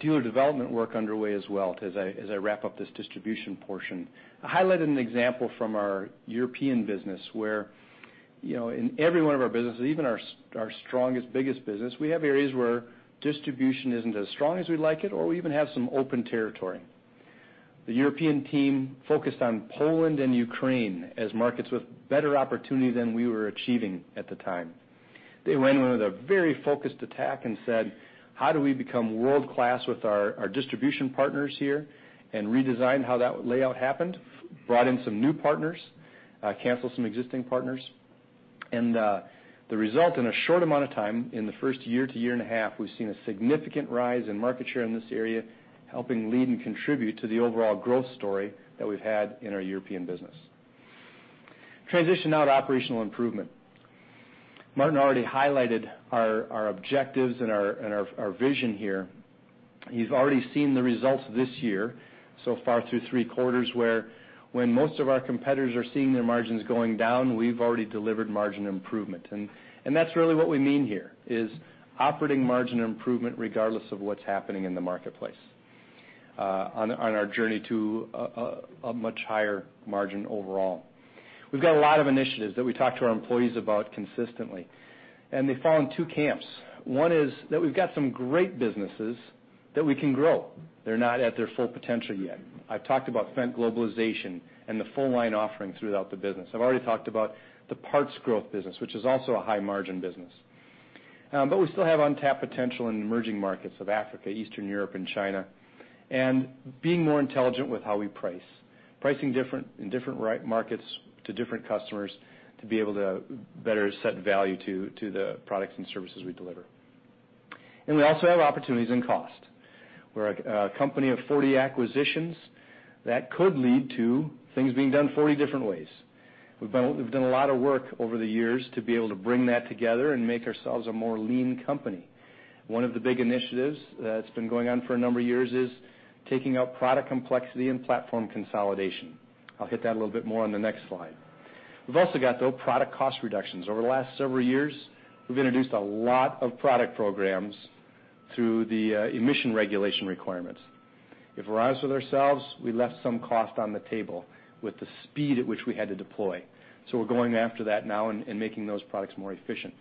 dealer development work underway as well, as I wrap up this distribution portion. I highlighted an example from our European business where in every one of our businesses, even our strongest, biggest business, we have areas where distribution isn't as strong as we'd like it, or we even have some open territory. The European team focused on Poland and Ukraine as markets with better opportunity than we were achieving at the time. They went in with a very focused attack and said, "How do we become world-class with our distribution partners here?" Redesigned how that layout happened, brought in some new partners, canceled some existing partners. The result in a short amount of time, in the first year to year and a half, we've seen a significant rise in market share in this area, helping lead and contribute to the overall growth story that we've had in our European business. Transition now to operational improvement. Martin already highlighted our objectives and our vision here. You've already seen the results this year so far through three quarters where, when most of our competitors are seeing their margins going down, we've already delivered margin improvement. That's really what we mean here, is operating margin improvement regardless of what's happening in the marketplace on our journey to a much higher margin overall. We've got a lot of initiatives that we talk to our employees about consistently, they fall in two camps. One is that we've got some great businesses that we can grow. They're not at their full potential yet. I've talked about Fendt globalization and the full line offerings throughout the business. I've already talked about the parts growth business, which is also a high-margin business. We still have untapped potential in emerging markets of Africa, Eastern Europe, and China, and being more intelligent with how we price. Pricing in different markets to different customers to be able to better set value to the products and services we deliver. We also have opportunities in cost. We're a company of 40 acquisitions. That could lead to things being done 40 different ways. We've done a lot of work over the years to be able to bring that together and make ourselves a more lean company. One of the big initiatives that's been going on for a number of years is taking out product complexity and platform consolidation. I'll hit that a little bit more on the next slide. We've also got product cost reductions. Over the last several years, we've introduced a lot of product programs through the emission regulation requirements. If we're honest with ourselves, we left some cost on the table with the speed at which we had to deploy. We're going after that now and making those products more efficient.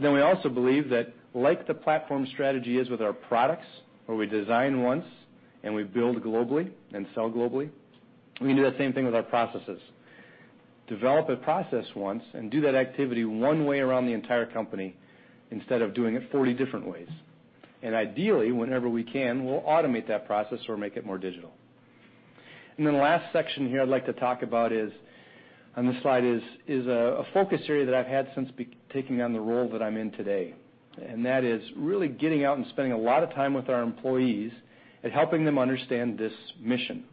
We also believe that like the platform strategy is with our products, where we design once and we build globally and sell globally, we can do that same thing with our processes. Develop a process once and do that activity one way around the entire company instead of doing it 40 different ways. Ideally, whenever we can, we'll automate that process or make it more digital. The last section here I'd like to talk about on this slide is a focus area that I've had since taking on the role that I'm in today, and that is really getting out and spending a lot of time with our employees and helping them understand this mission.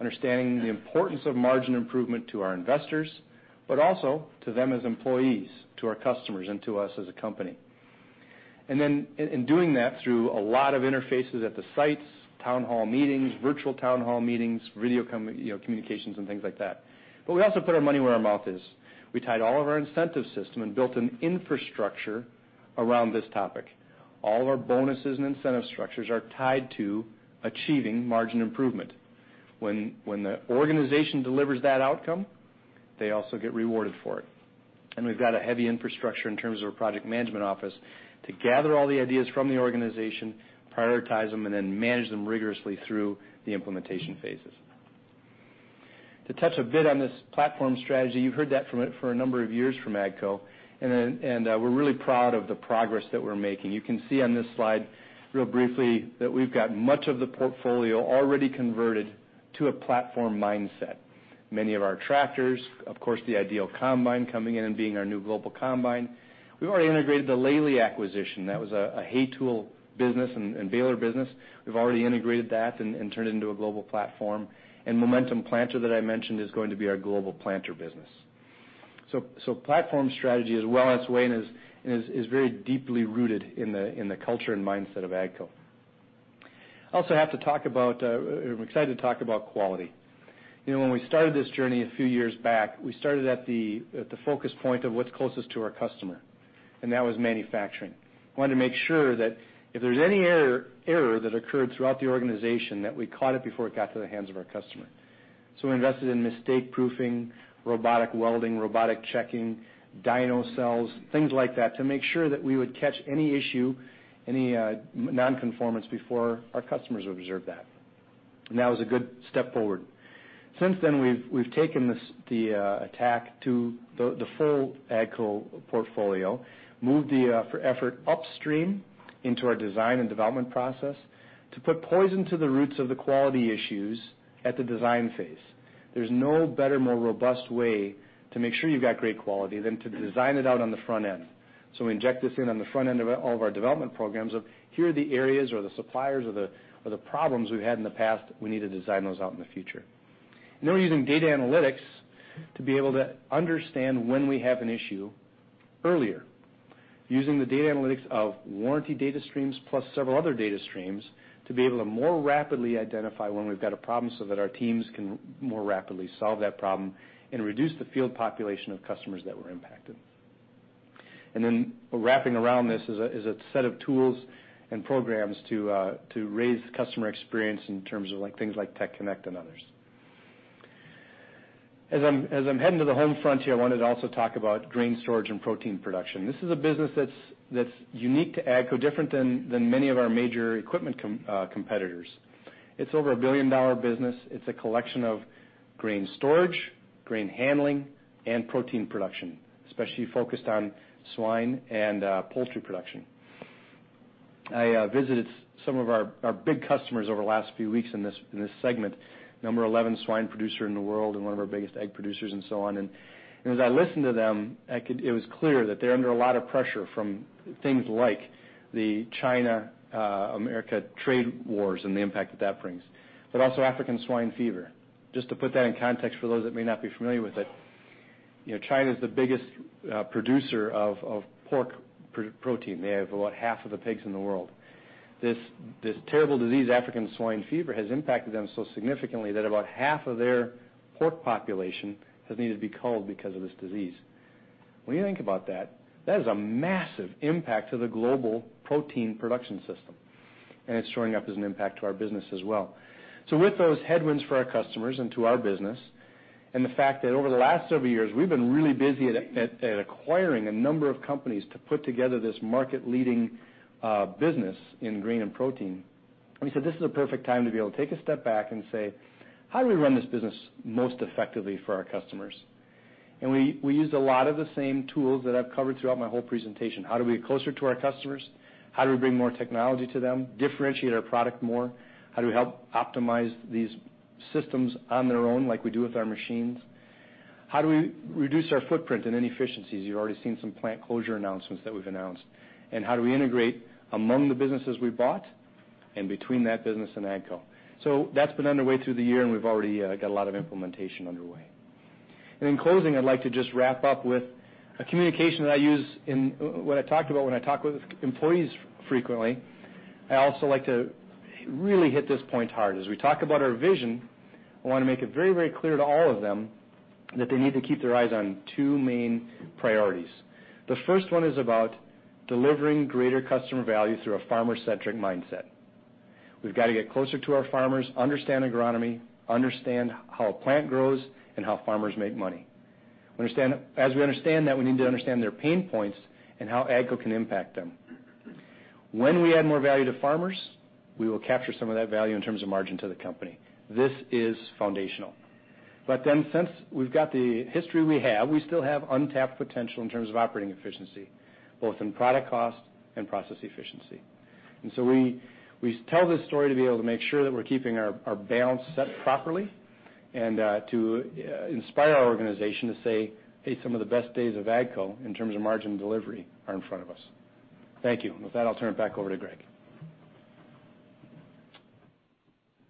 Understanding the importance of margin improvement to our investors, but also to them as employees, to our customers, and to us as a company. In doing that through a lot of interfaces at the sites, town hall meetings, virtual town hall meetings, video communications and things like that. We also put our money where our mouth is. We tied all of our incentive system and built an infrastructure around this topic. All of our bonuses and incentive structures are tied to achieving margin improvement. When the organization delivers that outcome, they also get rewarded for it. We've got a heavy infrastructure in terms of a project management office to gather all the ideas from the organization, prioritize them, and then manage them rigorously through the implementation phases. To touch a bit on this platform strategy, you've heard that for a number of years from AGCO, and we're really proud of the progress that we're making. You can see on this slide real briefly that we've got much of the portfolio already converted to a platform mindset. Many of our tractors, of course, the IDEAL Combine coming in and being our new global combine. We've already integrated the Lely acquisition. That was a hay tool business and baler business. We've already integrated that and turned it into a global platform. Momentum planter that I mentioned is going to be our global planter business. Platform strategy as well, as Wayne, is very deeply rooted in the culture and mindset of AGCO. I'm excited to talk about quality. When we started this journey a few years back, we started at the focus point of what's closest to our customer, and that was manufacturing. We wanted to make sure that if there was any error that occurred throughout the organization, that we caught it before it got to the hands of our customer. We invested in mistake-proofing, robotic welding, robotic checking, dyno cells, things like that, to make sure that we would catch any issue, any non-conformance before our customers would observe that. That was a good step forward. Since then, we've taken the attack to the full AGCO portfolio, moved the effort upstream into our design and development process to put poison to the roots of the quality issues at the design phase. There's no better, more robust way to make sure you've got great quality than to design it out on the front end. We inject this in on the front end of all of our development programs of, here are the areas or the suppliers or the problems we've had in the past. We need to design those out in the future. We're using data analytics to be able to understand when we have an issue earlier. Using the data analytics of warranty data streams plus several other data streams to be able to more rapidly identify when we've got a problem so that our teams can more rapidly solve that problem and reduce the field population of customers that were impacted. Wrapping around this is a set of tools and programs to raise the customer experience in terms of things like Tech Connect and others. As I'm heading to the home front here, I wanted to also talk about grain storage and protein production. This is a business that's unique to AGCO, different than many of our major equipment competitors. It's over a billion-dollar business. It's a collection of grain storage, grain handling, and protein production, especially focused on swine and poultry production. I visited some of our big customers over the last few weeks in this segment. Number 11 swine producer in the world and one of our biggest egg producers and so on. As I listened to them, it was clear that they're under a lot of pressure from things like the China-America trade wars and the impact that brings, but also African swine fever. Just to put that in context for those that may not be familiar with it, China is the biggest producer of pork protein. They have about half of the pigs in the world. This terrible disease, African swine fever, has impacted them so significantly that about half of their pork population has needed to be culled because of this disease. When you think about that is a massive impact to the global protein production system, and it's showing up as an impact to our business as well. With those headwinds for our customers and to our business, and the fact that over the last several years, we've been really busy at acquiring a number of companies to put together this market-leading business in grain and protein. We said this is a perfect time to be able to take a step back and say, "How do we run this business most effectively for our customers?" We used a lot of the same tools that I've covered throughout my whole presentation. How do we get closer to our customers? How do we bring more technology to them, differentiate our product more? How do we help optimize these systems on their own, like we do with our machines? How do we reduce our footprint and inefficiencies? You've already seen some plant closure announcements that we've announced. How do we integrate among the businesses we bought and between that business and AGCO? That's been underway through the year, and we've already got a lot of implementation underway. In closing, I'd like to just wrap up with a communication that I use in what I talked about when I talk with employees frequently. I also like to really hit this point hard. As we talk about our vision, I want to make it very clear to all of them that they need to keep their eyes on two main priorities. The first one is about delivering greater customer value through a farmer-centric mindset. We've got to get closer to our farmers, understand agronomy, understand how a plant grows, and how farmers make money. As we understand that, we need to understand their pain points and how AGCO can impact them. We add more value to farmers, we will capture some of that value in terms of margin to the company. This is foundational. Since we've got the history we have, we still have untapped potential in terms of operating efficiency, both in product cost and process efficiency. We tell this story to be able to make sure that we're keeping our balance set properly and to inspire our organization to say, "Hey, some of the best days of AGCO in terms of margin delivery are in front of us." Thank you. With that, I'll turn it back over to Greg.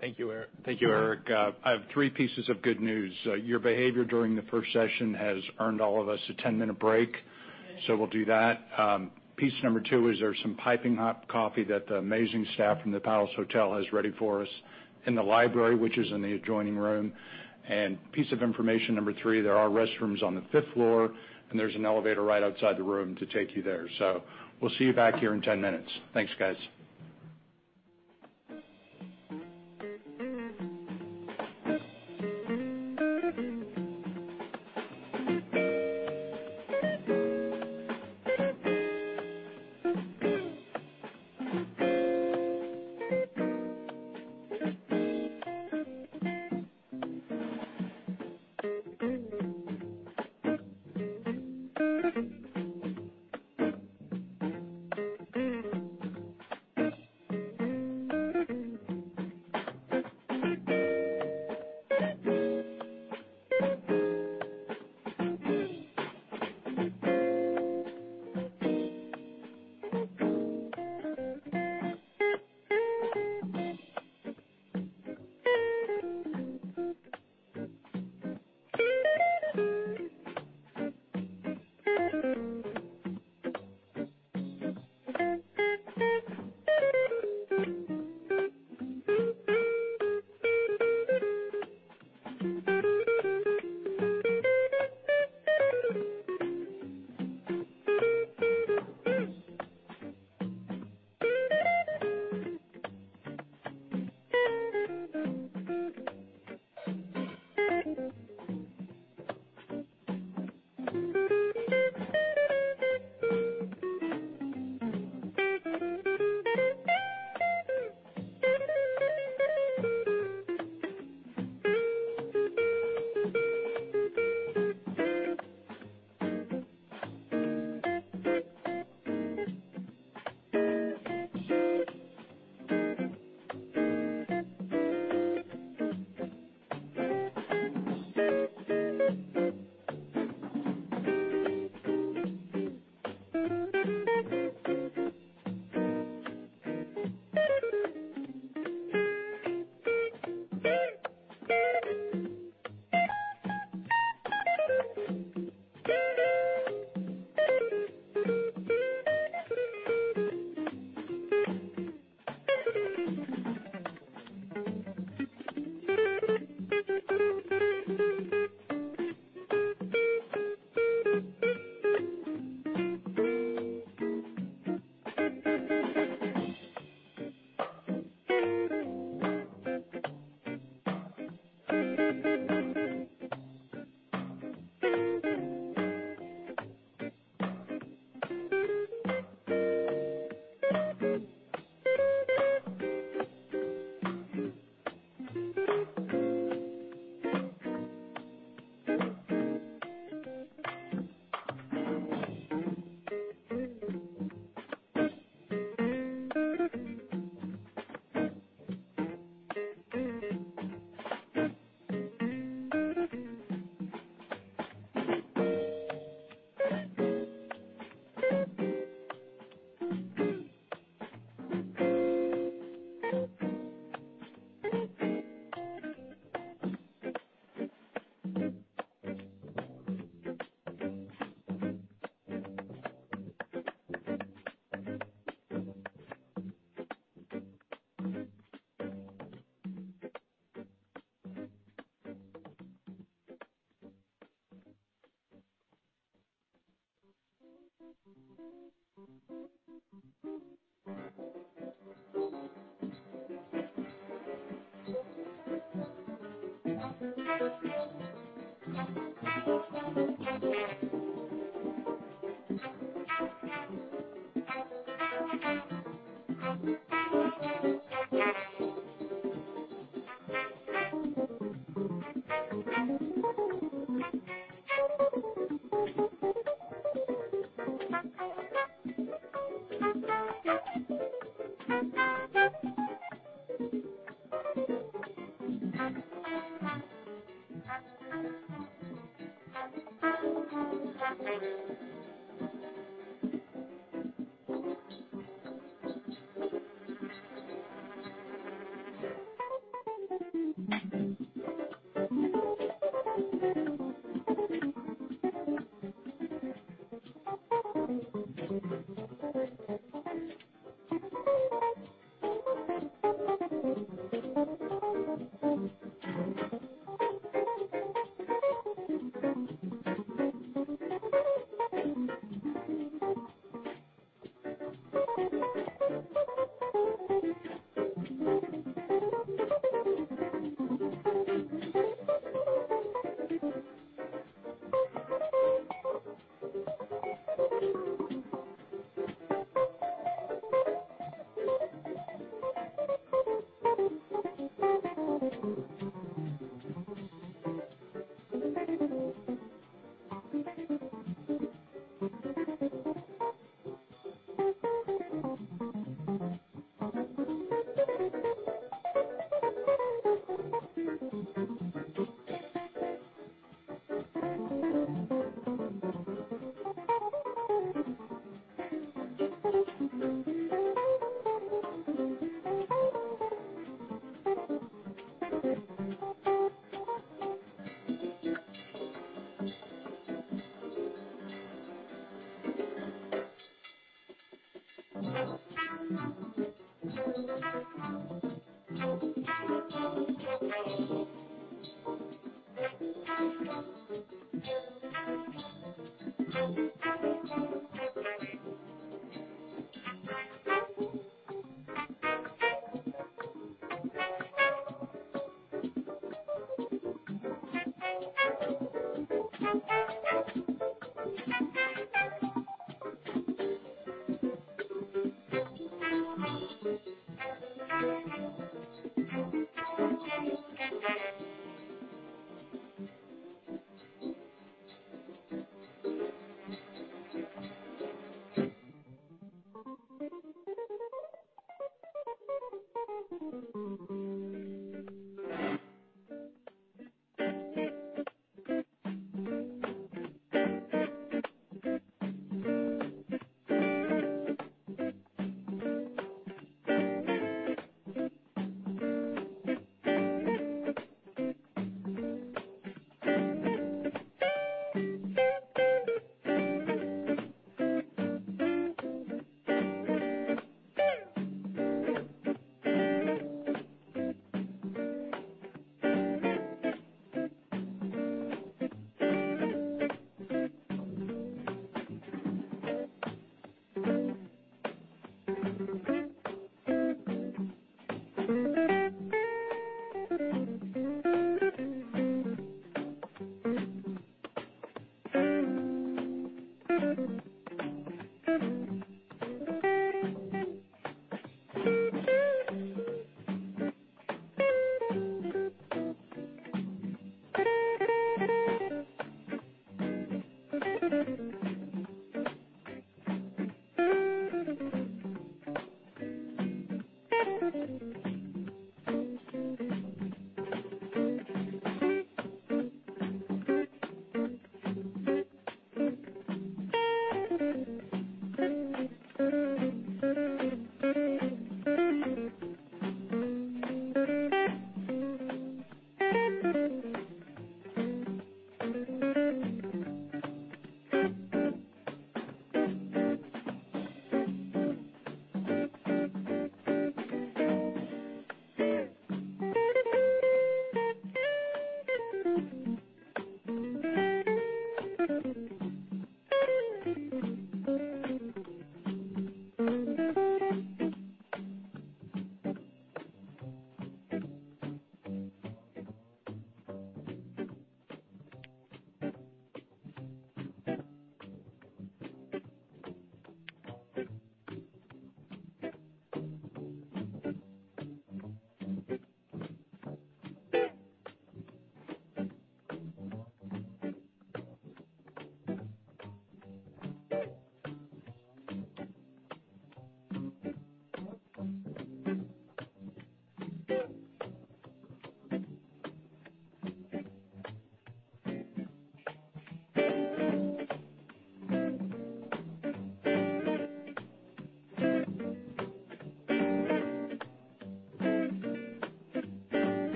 Thank you, Eric. I have three pieces of good news. Your behavior during the first session has earned all of us a 10-minute break, so we'll do that. Piece number two is there's some piping hot coffee that the amazing staff from the Palace Hotel has ready for us in the library, which is in the adjoining room. Piece of information number three, there are restrooms on the fifth floor, and there's an elevator right outside the room to take you there. We'll see you back here in 10 minutes. Thanks, guys.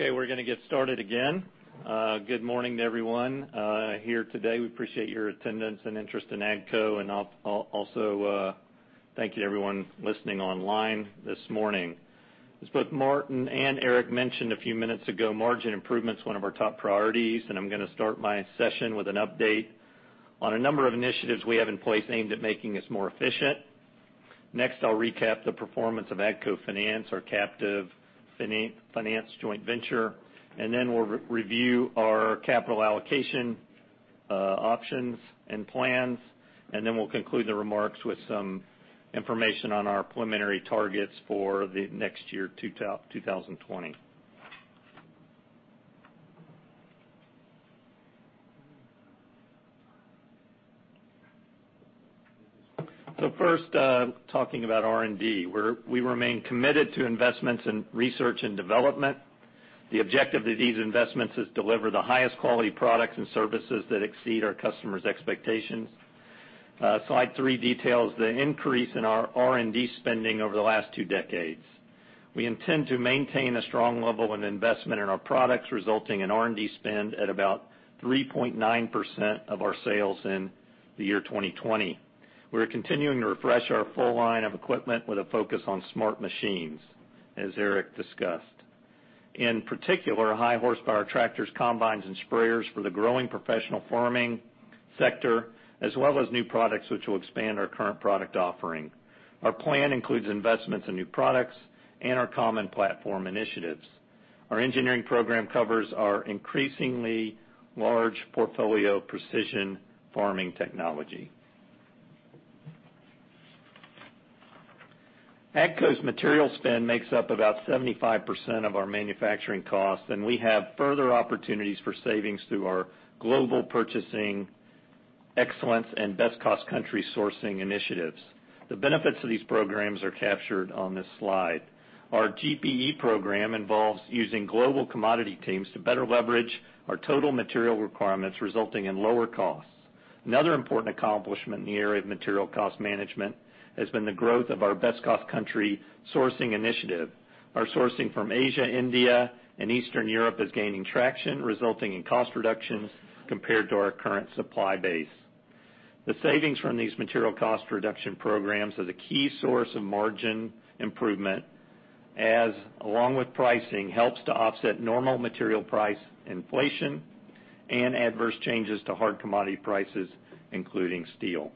Okay, we're going to get started again. Good morning to everyone here today. We appreciate your attendance and interest in AGCO, and also thank you to everyone listening online this morning. As both Martin and Eric mentioned a few minutes ago, margin improvement is one of our top priorities, and I'm going to start my session with an update on a number of initiatives we have in place aimed at making us more efficient. Next, I'll recap the performance of AGCO Finance, our captive finance joint venture, and then we'll review our capital allocation options and plans, and then we'll conclude the remarks with some information on our preliminary targets for the next year, 2020. First, talking about R&D. We remain committed to investments in research and development. The objective of these investments is deliver the highest quality products and services that exceed our customers' expectations. Slide three details the increase in our R&D spending over the last two decades. We intend to maintain a strong level of investment in our products, resulting in R&D spend at about 3.9% of our sales in the year 2020. We're continuing to refresh our full line of equipment with a focus on smart machines, as Eric discussed. In particular, high horsepower tractors, combines, and sprayers for the growing professional farming sector, as well as new products which will expand our current product offering. Our plan includes investments in new products and our common platform initiatives. Our engineering program covers our increasingly large portfolio of precision farming technology. AGCO's material spend makes up about 75% of our manufacturing cost, and we have further opportunities for savings through our global purchasing excellence and best cost country sourcing initiatives. The benefits of these programs are captured on this slide. Our GPE program involves using global commodity teams to better leverage our total material requirements, resulting in lower costs. Another important accomplishment in the area of material cost management has been the growth of our best cost country sourcing initiative. Our sourcing from Asia, India, and Eastern Europe is gaining traction, resulting in cost reductions compared to our current supply base. The savings from these material cost reduction programs is a key source of margin improvement, as along with pricing, helps to offset normal material price inflation and adverse changes to hard commodity prices, including steel.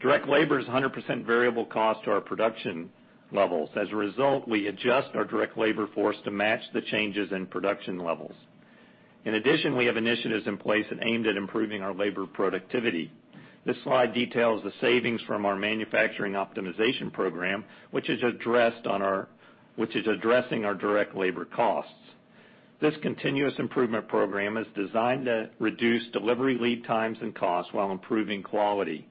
Direct labor is 100% variable cost to our production levels. As a result, we adjust our direct labor force to match the changes in production levels. In addition, we have initiatives in place aimed at improving our labor productivity. This slide details the savings from our manufacturing optimization program, which is addressing our direct labor costs. This continuous improvement program is designed to reduce delivery lead times and costs while improving quality.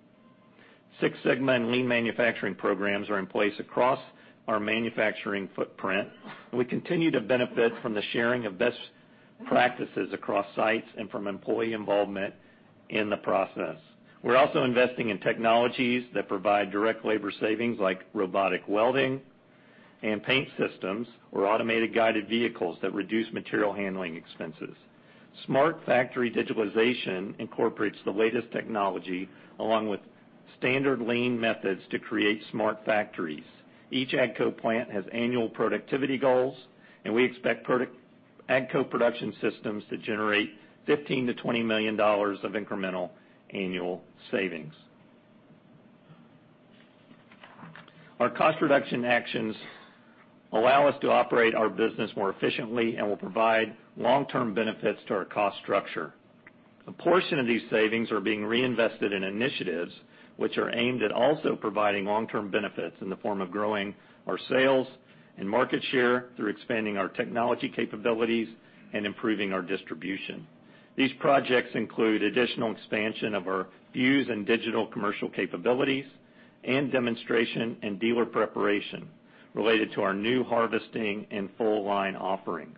Six Sigma and lean manufacturing programs are in place across our manufacturing footprint. We continue to benefit from the sharing of best practices across sites and from employee involvement in the process. We are also investing in technologies that provide direct labor savings, like robotic welding and paint systems or automated guided vehicles that reduce material handling expenses. Smart factory digitalization incorporates the latest technology along with standard lean methods to create smart factories. Each AGCO plant has annual productivity goals. We expect AGCO production systems to generate $15 million-$20 million of incremental annual savings. Our cost reduction actions allow us to operate our business more efficiently and will provide long-term benefits to our cost structure. A portion of these savings are being reinvested in initiatives which are aimed at also providing long-term benefits in the form of growing our sales and market share through expanding our technology capabilities and improving our distribution. These projects include additional expansion of our Fuse and digital commercial capabilities and demonstration and dealer preparation related to our new harvesting and full line offerings.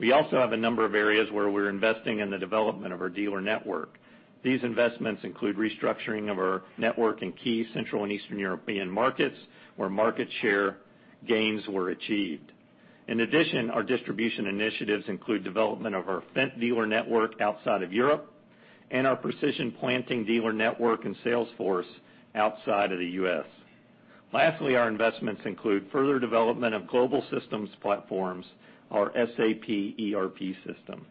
We also have a number of areas where we're investing in the development of our dealer network. These investments include restructuring of our network in key central and Eastern European markets, where market share gains were achieved. In addition, our distribution initiatives include development of our Fendt dealer network outside of Europe and our Precision Planting dealer network and sales force outside of the U.S. Lastly, our investments include further development of global systems platforms, our SAP ERP system.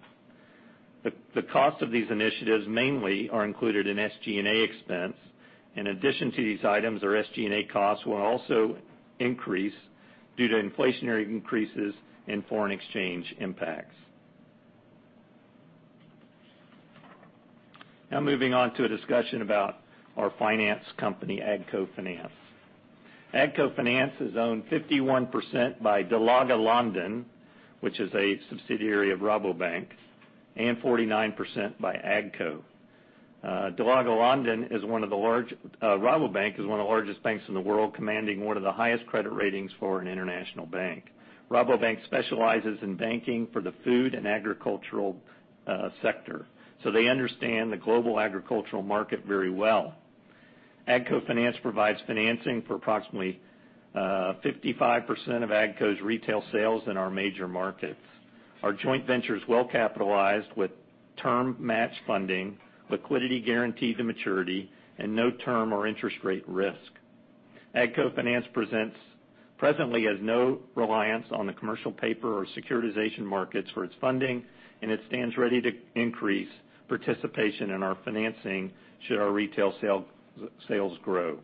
The cost of these initiatives mainly are included in SG&A expense. In addition to these items, our SG&A costs will also increase due to inflationary increases and foreign exchange impacts. Moving on to a discussion about our finance company, AGCO Finance. AGCO Finance is owned 51% by De Lage Landen, which is a subsidiary of Rabobank, and 49% by AGCO. Rabobank is one of the largest banks in the world, commanding one of the highest credit ratings for an international bank. Rabobank specializes in banking for the food and agricultural sector, they understand the global agricultural market very well. AGCO Finance provides financing for approximately 55% of AGCO's retail sales in our major markets. Our joint venture is well-capitalized with term-match funding, liquidity guaranteed to maturity, and no term or interest rate risk. AGCO Finance presently has no reliance on the commercial paper or securitization markets for its funding, and it stands ready to increase participation in our financing should our retail sales grow.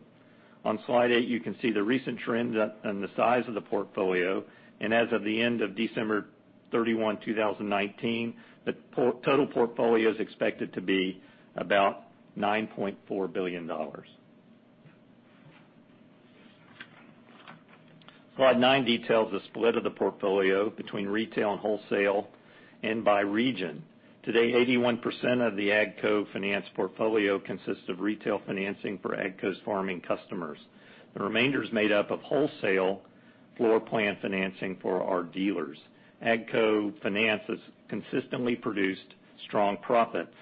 On slide eight, you can see the recent trends in the size of the portfolio, and as of the end of December 31, 2019, the total portfolio is expected to be about $9.4 billion. Slide nine details the split of the portfolio between retail and wholesale, and by region. Today, 81% of the AGCO Finance portfolio consists of retail financing for AGCO's farming customers. The remainder is made up of wholesale floor plan financing for our dealers. AGCO Finance has consistently produced strong profits.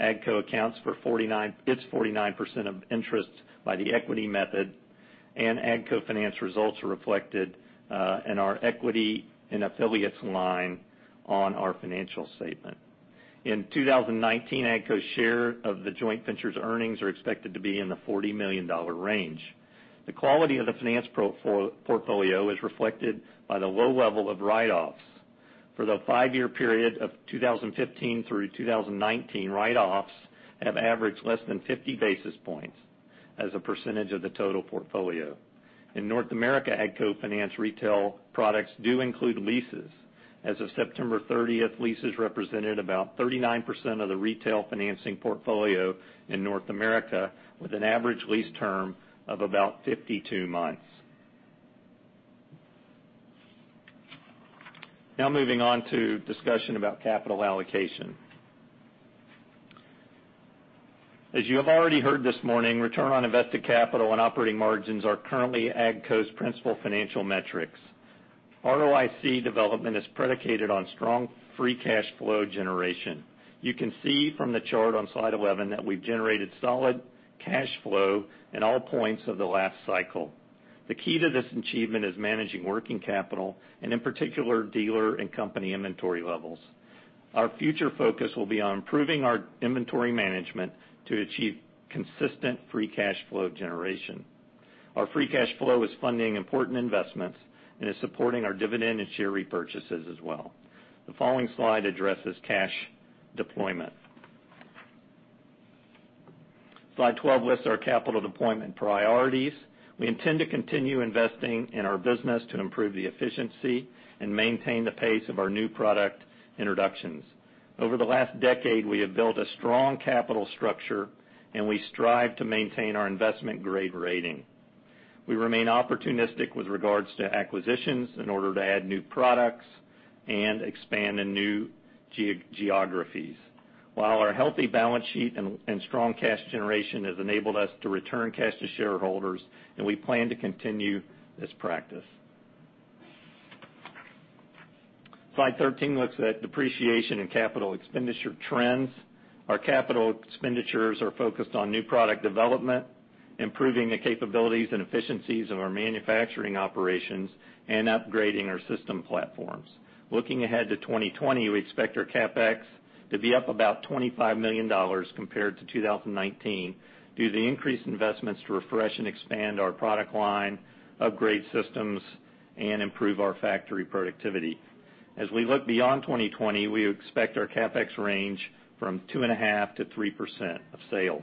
AGCO accounts for its 49% of interest by the equity method, and AGCO Finance results are reflected in our equity in affiliates line on our financial statement. In 2019, AGCO's share of the joint venture's earnings are expected to be in the $40 million range. The quality of the finance portfolio is reflected by the low level of write-offs. For the five-year period of 2015 through 2019, write-offs have averaged less than 50 basis points as a percentage of the total portfolio. In North America, AGCO Finance retail products do include leases. As of September 30th, 2019, leases represented about 39% of the retail financing portfolio in North America, with an average lease term of about 52 months. Now, moving on to discussion about capital allocation. As you have already heard this morning, return on invested capital and operating margins are currently AGCO's principal financial metrics. ROIC development is predicated on strong free cash flow generation. You can see from the chart on slide 11 that we've generated solid cash flow in all points of the last cycle. The key to this achievement is managing working capital and, in particular, dealer and company inventory levels. Our future focus will be on improving our inventory management to achieve consistent free cash flow generation. Our free cash flow is funding important investments and is supporting our dividend and share repurchases as well. The following slide addresses cash deployment. Slide 12 lists our capital deployment priorities. We intend to continue investing in our business to improve the efficiency and maintain the pace of our new product introductions. Over the last decade, we have built a strong capital structure, and we strive to maintain our investment-grade rating. We remain opportunistic with regards to acquisitions in order to add new products and expand in new geographies, while our healthy balance sheet and strong cash generation has enabled us to return cash to shareholders, and we plan to continue this practice. Slide 13 looks at depreciation and capital expenditure trends. Our capital expenditures are focused on new product development, improving the capabilities and efficiencies of our manufacturing operations, and upgrading our system platforms. Looking ahead to 2020, we expect our CapEx to be up about $25 million compared to 2019 due to the increased investments to refresh and expand our product line, upgrade systems, and improve our factory productivity. As we look beyond 2020, we expect our CapEx range from 2.5%-3% of sales.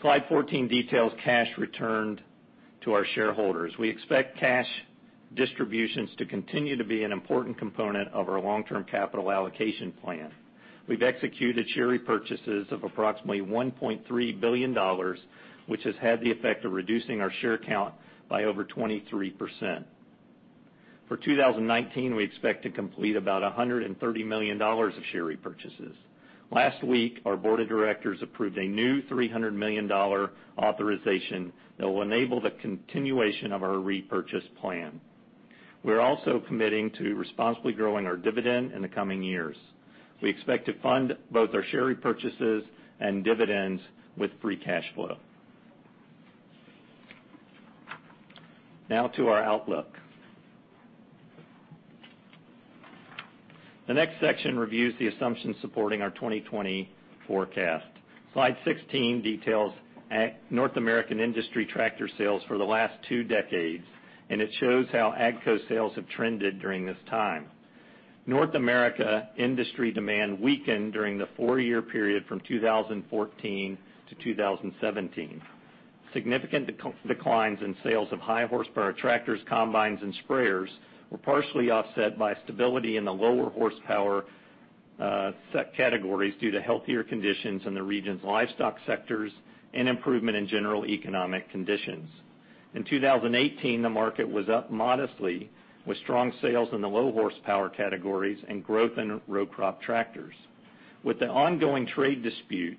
Slide 14 details cash returned to our shareholders. We expect cash distributions to continue to be an important component of our long-term capital allocation plan. We've executed share repurchases of approximately $1.3 billion, which has had the effect of reducing our share count by over 23%. For 2019, we expect to complete about $130 million of share repurchases. Last week, our board of directors approved a new $300 million authorization that will enable the continuation of our repurchase plan. We're also committing to responsibly growing our dividend in the coming years. We expect to fund both our share repurchases and dividends with free cash flow. Now to our outlook. The next section reviews the assumptions supporting our 2020 forecast. Slide 16 details North American industry tractor sales for the last two decades, and it shows how AGCO sales have trended during this time. North America industry demand weakened during the four-year period from 2014 to 2017. Significant declines in sales of high horsepower tractors, combines, and sprayers were partially offset by stability in the lower horsepower set categories due to healthier conditions in the region's livestock sectors and improvement in general economic conditions. In 2018, the market was up modestly with strong sales in the low horsepower categories and growth in row crop tractors. With the ongoing trade dispute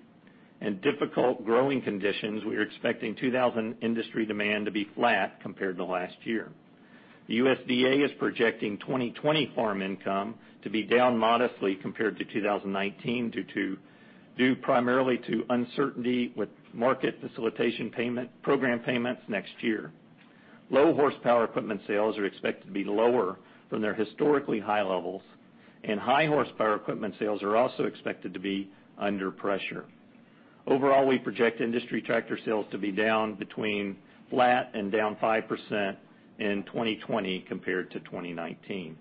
and difficult growing conditions, we are expecting 2020 industry demand to be flat compared to last year. The USDA is projecting 2020 farm income to be down modestly compared to 2019, due primarily to uncertainty with Market Facilitation Program payments next year. Low horsepower equipment sales are expected to be lower than their historically high levels, and high horsepower equipment sales are also expected to be under pressure. Overall, we project industry tractor sales to be down between flat and down 5% in 2020 compared to 2019.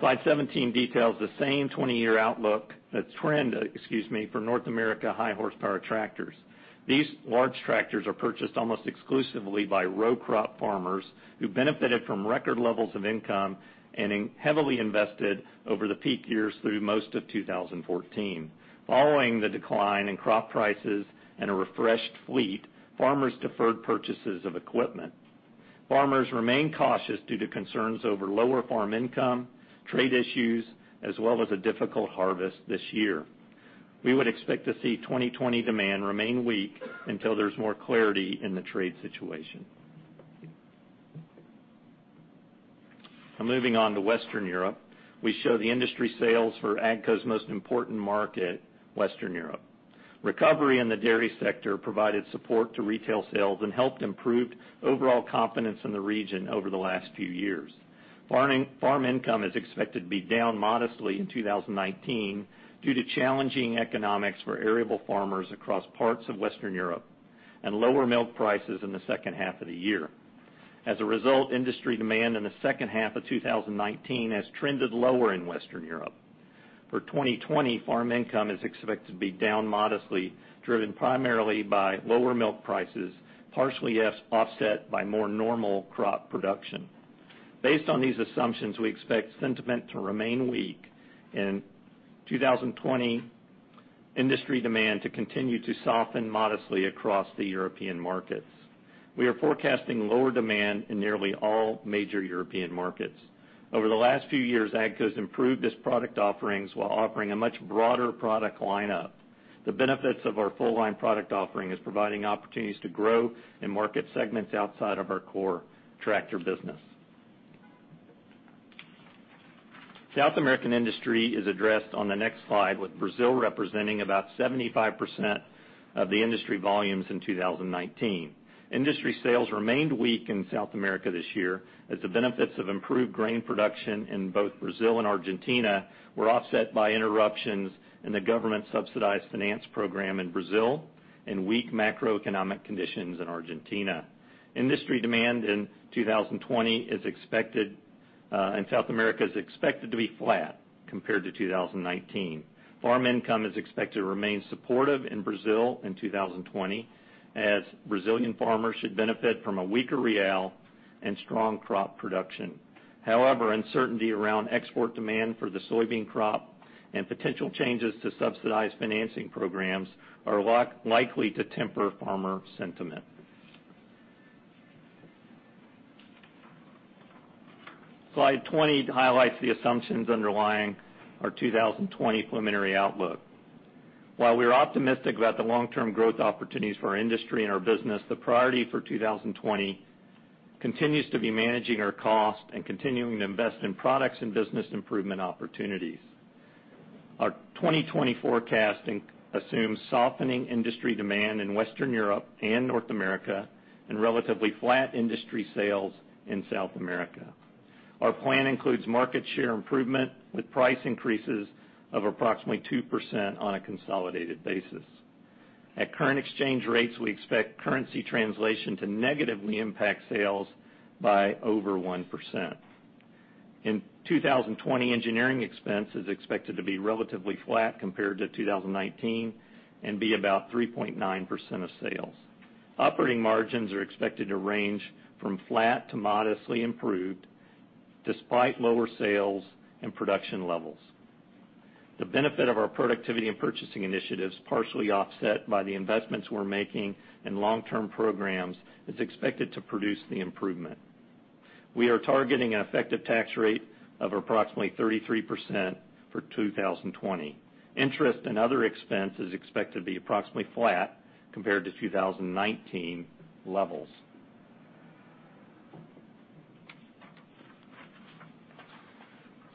Slide 17 details the same 20-year outlook, the trend, excuse me, for North America high horsepower tractors. These large tractors are purchased almost exclusively by row crop farmers who benefited from record levels of income and heavily invested over the peak years through most of 2014. Following the decline in crop prices and a refreshed fleet, farmers deferred purchases of equipment. Farmers remain cautious due to concerns over lower farm income, trade issues, as well as a difficult harvest this year. We would expect to see 2020 demand remain weak until there's more clarity in the trade situation. Moving on to Western Europe. We show the industry sales for AGCO's most important market, Western Europe. Recovery in the dairy sector provided support to retail sales and helped improve overall confidence in the region over the last few years. Farm income is expected to be down modestly in 2019 due to challenging economics for arable farmers across parts of Western Europe and lower milk prices in the second half of the year. As a result, industry demand in the second half of 2019 has trended lower in Western Europe. For 2020, farm income is expected to be down modestly, driven primarily by lower milk prices, partially offset by more normal crop production. Based on these assumptions, we expect sentiment to remain weak in 2020, industry demand to continue to soften modestly across the European markets. We are forecasting lower demand in nearly all major European markets. Over the last few years, AGCO's improved its product offerings while offering a much broader product lineup. The benefits of our full line product offering is providing opportunities to grow in market segments outside of our core tractor business. South American industry is addressed on the next slide, with Brazil representing about 75% of the industry volumes in 2019. Industry sales remained weak in South America this year as the benefits of improved grain production in both Brazil and Argentina were offset by interruptions in the government-subsidized finance program in Brazil and weak macroeconomic conditions in Argentina. Industry demand in 2020 in South America is expected to be flat compared to 2019. Farm income is expected to remain supportive in Brazil in 2020 as Brazilian farmers should benefit from a weaker real and strong crop production. However, uncertainty around export demand for the soybean crop and potential changes to subsidized financing programs are likely to temper farmer sentiment. Slide 20 highlights the assumptions underlying our 2020 preliminary outlook. While we are optimistic about the long-term growth opportunities for our industry and our business, the priority for 2020 continues to be managing our cost and continuing to invest in products and business improvement opportunities. Our 2020 forecasting assumes softening industry demand in Western Europe and North America and relatively flat industry sales in South America. Our plan includes market share improvement with price increases of approximately 2% on a consolidated basis. At current exchange rates, we expect currency translation to negatively impact sales by over 1%. In 2020, engineering expense is expected to be relatively flat compared to 2019 and be about 3.9% of sales. Operating margins are expected to range from flat to modestly improved despite lower sales and production levels. The benefit of our productivity and purchasing initiatives, partially offset by the investments we're making in long-term programs, is expected to produce the improvement. We are targeting an effective tax rate of approximately 33% for 2020. Interest and other expense is expected to be approximately flat compared to 2019 levels.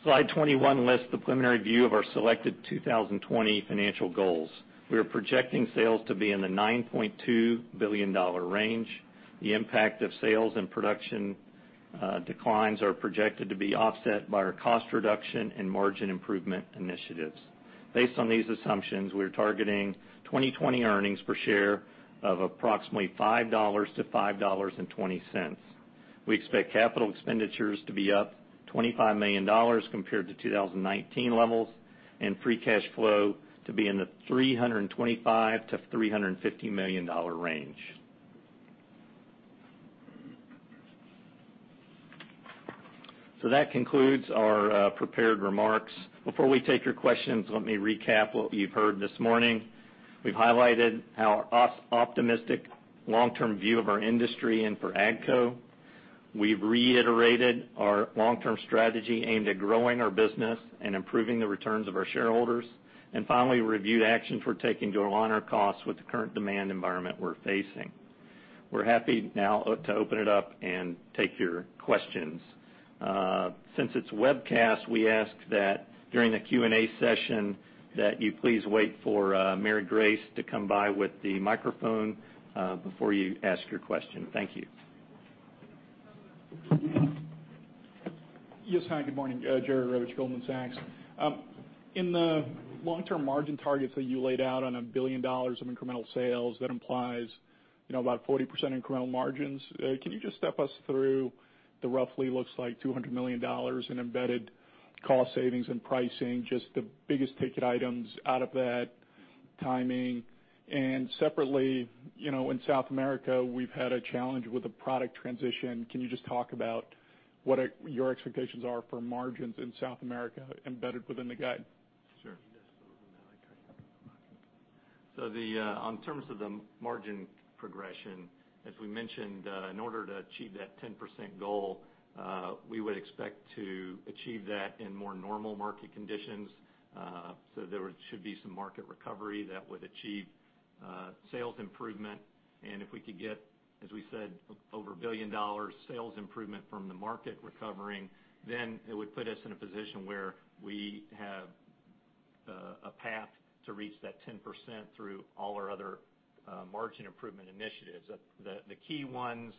Slide 21 lists the preliminary view of our selected 2020 financial goals. We are projecting sales to be in the $9.2 billion range. The impact of sales and production declines are projected to be offset by our cost reduction and margin improvement initiatives. Based on these assumptions, we are targeting 2020 earnings per share of approximately $5 to $5.20. We expect capital expenditures to be up $25 million compared to 2019 levels and free cash flow to be in the $325 million-$350 million range. That concludes our prepared remarks. Before we take your questions, let me recap what you've heard this morning. We've highlighted our optimistic long-term view of our industry and for AGCO. We've reiterated our long-term strategy aimed at growing our business and improving the returns of our shareholders. Finally, reviewed actions we're taking to align our costs with the current demand environment we're facing. We're happy now to open it up and take your questions. Since it's a webcast, we ask that during the Q&A session that you please wait for Mary Grace to come by with the microphone, before you ask your question. Thank you. Yes. Hi, good morning. Jerry Revich, Goldman Sachs. In the long-term margin targets that you laid out on a $1 billion of incremental sales, that implies about 40% incremental margins. Can you just step us through the roughly looks like $200 million in embedded cost savings and pricing, just the biggest ticket items out of that timing? Separately, in South America, we've had a challenge with the product transition. Can you just talk about what your expectations are for margins in South America embedded within the guide? Sure. On terms of the margin progression, as we mentioned, in order to achieve that 10% goal, we would expect to achieve that in more normal market conditions. There should be some market recovery that would achieve sales improvement. If we could get, as we said, over $1 billion sales improvement from the market recovering, then it would put us in a position where we have a path to reach that 10% through all our other margin improvement initiatives. The key ones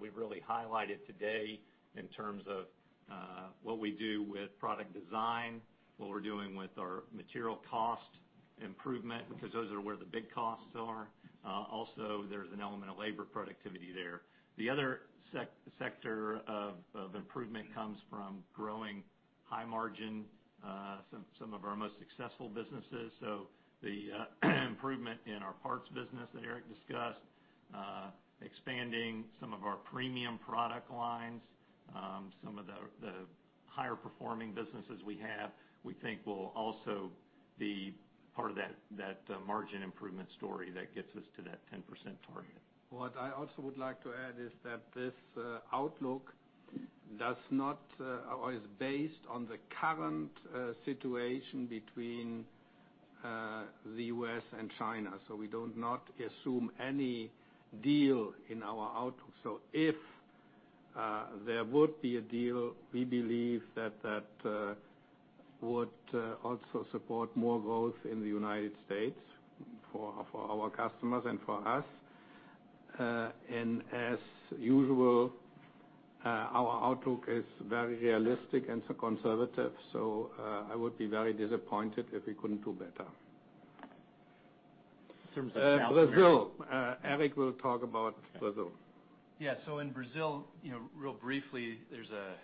we've really highlighted today in terms of what we do with product design, what we're doing with our material cost improvement, because those are where the big costs are. Also, there's an element of labor productivity there. The other sector of improvement comes from growing high margin, some of our most successful businesses. The improvement in our parts business that Eric discussed, expanding some of our premium product lines, some of the higher performing businesses we have, we think will also be part of that margin improvement story that gets us to that 10% target. What I also would like to add is that this outlook is based on the current situation between the U.S. and China. We do not assume any deal in our outlook. If there would be a deal, we believe that that would also support more growth in the United States for our customers and for us. As usual, our outlook is very realistic and conservative. I would be very disappointed if we couldn't do better. Brazil. Eric will talk about Brazil. Yeah. In Brazil, Real briefly, there's a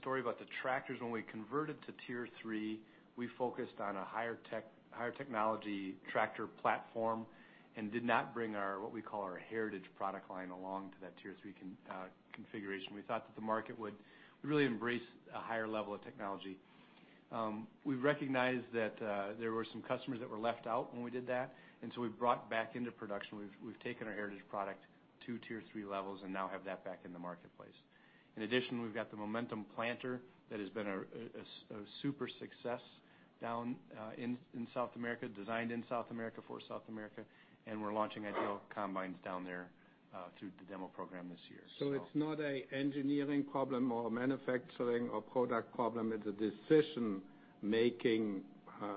story about the tractors. When we converted to Tier 3, we focused on a higher technology tractor platform and did not bring our, what we call our heritage product line along to that Tier 3 configuration. We thought that the market would really embrace a higher level of technology. We recognized that there were some customers that were left out when we did that, we've brought back into production. We've taken our heritage product to Tier 3 levels and now have that back in the marketplace. In addition, we've got the Momentum planter that has been a super success down in South America, designed in South America for South America, and we're launching IDEAL Combines down there through the demo program this year. It's not an engineering problem or manufacturing or product problem. It's a decision-making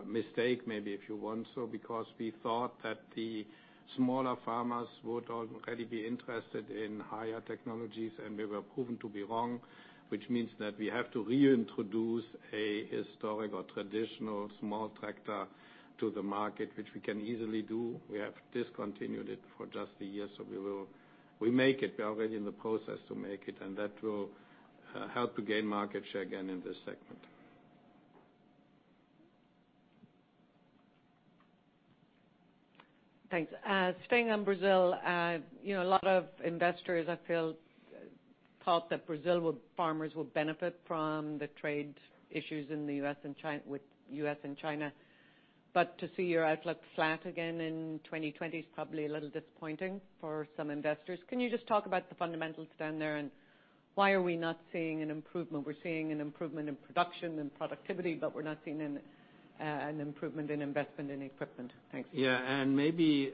mistake, maybe if you want so, because we thought that the smaller farmers would already be interested in higher technologies, and we were proven to be wrong, which means that we have to reintroduce a historic or traditional small tractor to the market, which we can easily do. We have discontinued it for just a year, so we will make it. We are already in the process to make it, and that will help to gain market share again in this segment. Thanks. Staying on Brazil, a lot of investors, I feel, thought that Brazil farmers would benefit from the trade issues with U.S. and China. To see your outlook flat again in 2020 is probably a little disappointing for some investors. Can you just talk about the fundamentals down there, and why are we not seeing an improvement? We're seeing an improvement in production and productivity, but we're not seeing an improvement in investment in equipment. Thanks. Yeah. Maybe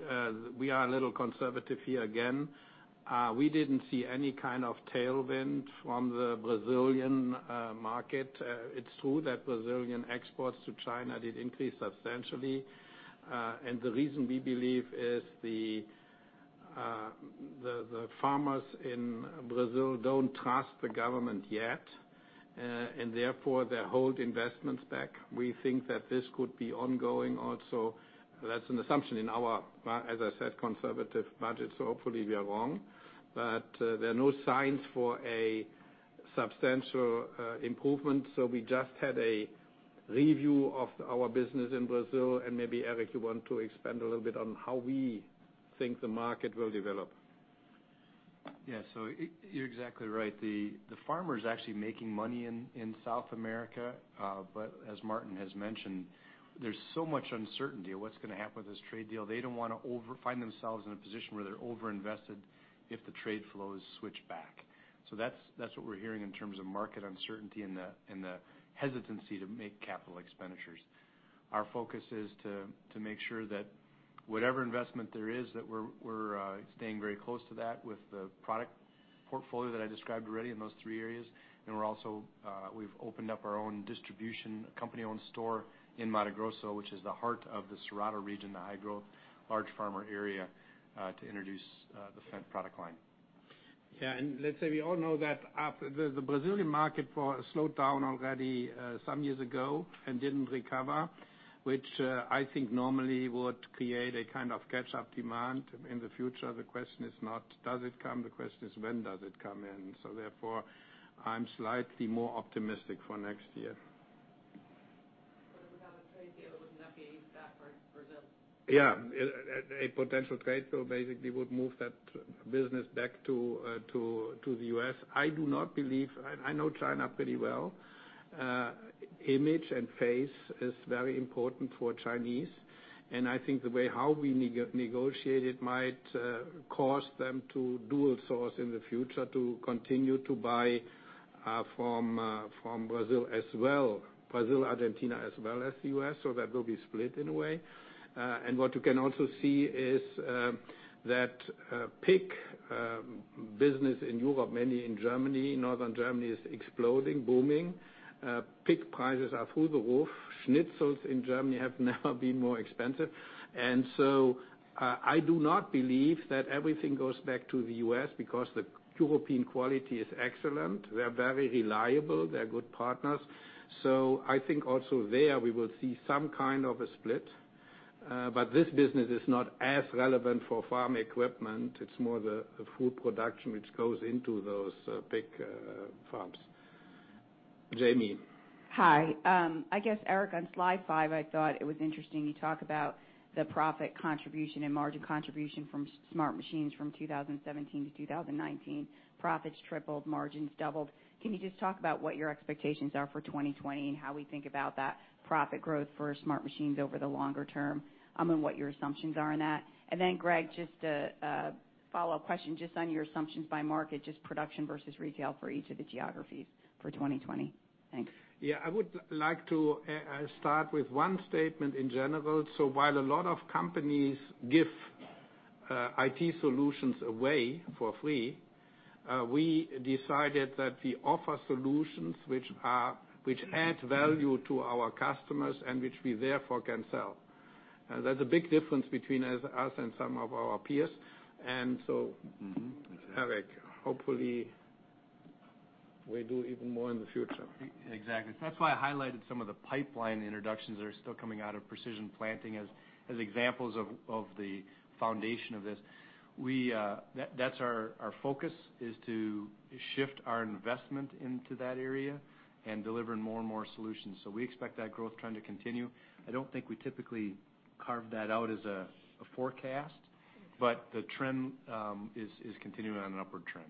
we are a little conservative here again. We didn't see any kind of tailwind from the Brazilian market. It's true that Brazilian exports to China did increase substantially. The reason we believe is the farmers in Brazil don't trust the government yet, and therefore they hold investments back. We think that this could be ongoing also. That's an assumption in our, as I said, conservative budget, so hopefully we are wrong. There are no signs for a substantial improvement. We just had a review of our business in Brazil, and maybe Eric, you want to expand a little bit on how we think the market will develop. You're exactly right. The farmer's actually making money in South America. As Martin has mentioned, there's so much uncertainty of what's going to happen with this trade deal. They don't want to find themselves in a position where they're over-invested if the trade flows switch back. That's what we're hearing in terms of market uncertainty and the hesitancy to make capital expenditures. Our focus is to make sure that whatever investment there is, that we're staying very close to that with the product portfolio that I described already in those three areas. We've opened up our own distribution company-owned store in Mato Grosso, which is the heart of the Cerrado region, the high growth, large farmer area, to introduce the Fendt product line. Yeah. Let's say we all know that the Brazilian market slowed down already some years ago and didn't recover, which I think normally would create a kind of catch-up demand in the future. The question is not does it come, the question is when does it come in. Therefore, I'm slightly more optimistic for next year. Without a trade deal, it would not be back for Brazil? Yeah. A potential trade deal basically would move that business back to the U.S. I know China pretty well. Image and face is very important for Chinese, I think the way how we negotiate it might cause them to dual source in the future to continue to buy from Brazil, Argentina, as well as the U.S. That will be split in a way. What you can also see is that pig business in Europe, mainly in Germany, Northern Germany, is exploding, booming. Pig prices are through the roof. Schnitzels in Germany have never been more expensive. I do not believe that everything goes back to the U.S. because the European quality is excellent. They're very reliable. They're good partners. I think also there we will see some kind of a split. This business is not as relevant for farm equipment. It's more the food production which goes into those pig farms. Jamie. Hi. I guess, Eric, on slide five, I thought it was interesting you talk about the profit contribution and margin contribution from smart machines from 2017 to 2019. Profits tripled, margins doubled. Can you just talk about what your expectations are for 2020 and how we think about that profit growth for smart machines over the longer term, and what your assumptions are in that? Greg, just a follow-up question just on your assumptions by market, just production versus retail for each of the geographies for 2020. Thanks. Yeah. I would like to start with one statement in general. While a lot of companies give IT solutions away for free, we decided that we offer solutions which add value to our customers and which we therefore can sell. That's a big difference between us and some of our peers. Mm-hmm. That's right. Eric, hopefully, we do even more in the future. Exactly. That's why I highlighted some of the pipeline introductions that are still coming out of Precision Planting as examples of the foundation of this. That's our focus is to shift our investment into that area and delivering more and more solutions. We expect that growth trend to continue. I don't think I typically carve that out as a forecast, the trend is continuing on an upward trend.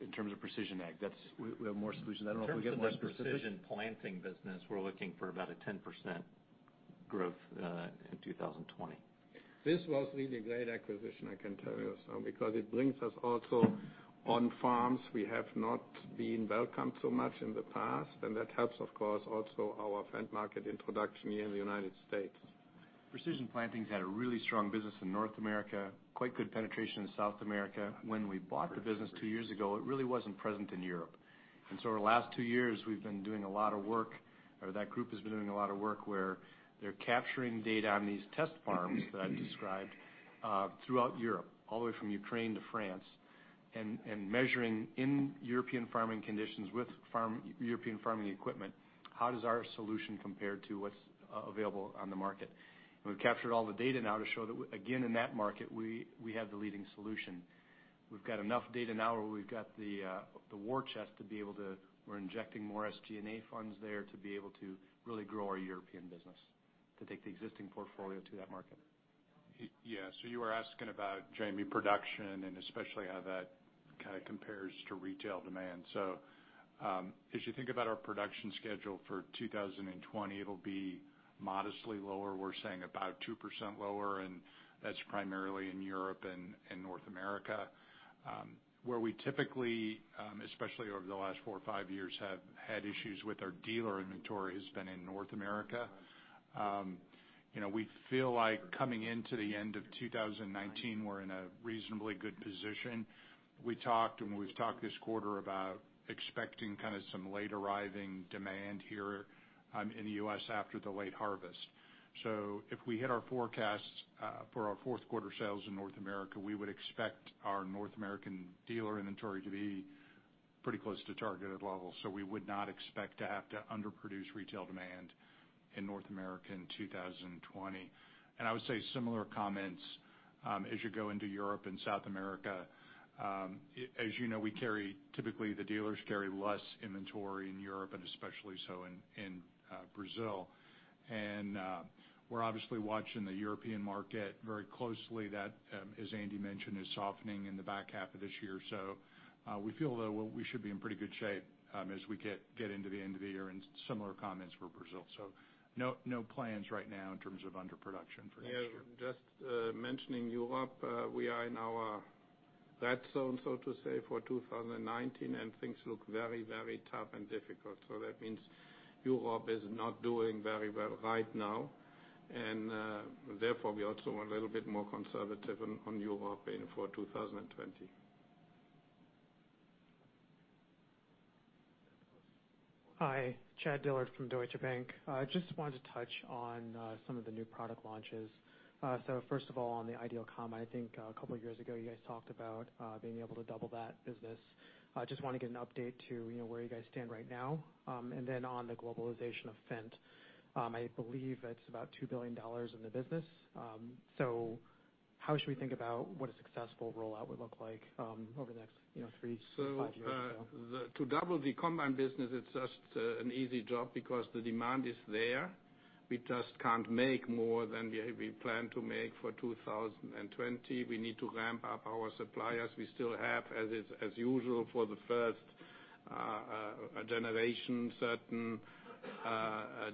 In terms of precision ag, we have more solutions. I don't know if we get more specific. In terms of the Precision Planting business, we're looking for about a 10% growth in 2020. This was really great acquisition, I can tell you. Because it brings us also on farms we have not been welcomed so much in the past, and that helps, of course, also our Fendt market introduction here in the U.S. Precision Planting's had a really strong business in North America, quite good penetration in South America. When we bought the business two years ago, it really wasn't present in Europe. Our last two years, we've been doing a lot of work, or that group has been doing a lot of work where they're capturing data on these test farms that I described throughout Europe, all the way from Ukraine to France, and measuring in European farming conditions with European farming equipment, how does our solution compare to what's available on the market? We've captured all the data now to show that again, in that market, we have the leading solution. We've got enough data now where we've got the war chest, we're injecting more SG&A funds there to be able to really grow our European business to take the existing portfolio to that market. You were asking about, Jamie, production and especially how that kind of compares to retail demand. As you think about our production schedule for 2020, it'll be modestly lower. We're saying about 2% lower, and that's primarily in Europe and North America. Where we typically, especially over the last four or five years, have had issues with our dealer inventory has been in North America. We feel like coming into the end of 2019, we're in a reasonably good position. We talked, and we've talked this quarter about expecting kind of some late arriving demand here in the U.S. after the late harvest. If we hit our forecasts for our fourth quarter sales in North America, we would expect our North American dealer inventory to be pretty close to targeted levels. We would not expect to have to underproduce retail demand in North America in 2020. I would say similar comments as you go into Europe and South America. As you know, typically, the dealers carry less inventory in Europe and especially so in Brazil. We're obviously watching the European market very closely. That, as Andy mentioned, is softening in the back half of this year. We feel, though, we should be in pretty good shape as we get into the end of the year, and similar comments for Brazil. No plans right now in terms of underproduction for next year. Yeah. Just mentioning Europe, we are in our red zone, so to say, for 2019, and things look very tough and difficult. That means Europe is not doing very well right now. Therefore, we are also a little bit more conservative on Europe for 2020. Hi, Chad Dillard from Deutsche Bank. I just wanted to touch on some of the new product launches. First of all, on the IDEAL Combine, I think a couple of years ago, you guys talked about being able to double that business. I just want to get an update to where you guys stand right now. On the globalization of Fendt. I believe it's about $2 billion in the business. How should we think about what a successful rollout would look like over the next three to five years? To double the Combine business, it's just an easy job because the demand is there. We just can't make more than we plan to make for 2020. We need to ramp up our suppliers. We still have, as usual, for the first generation, certain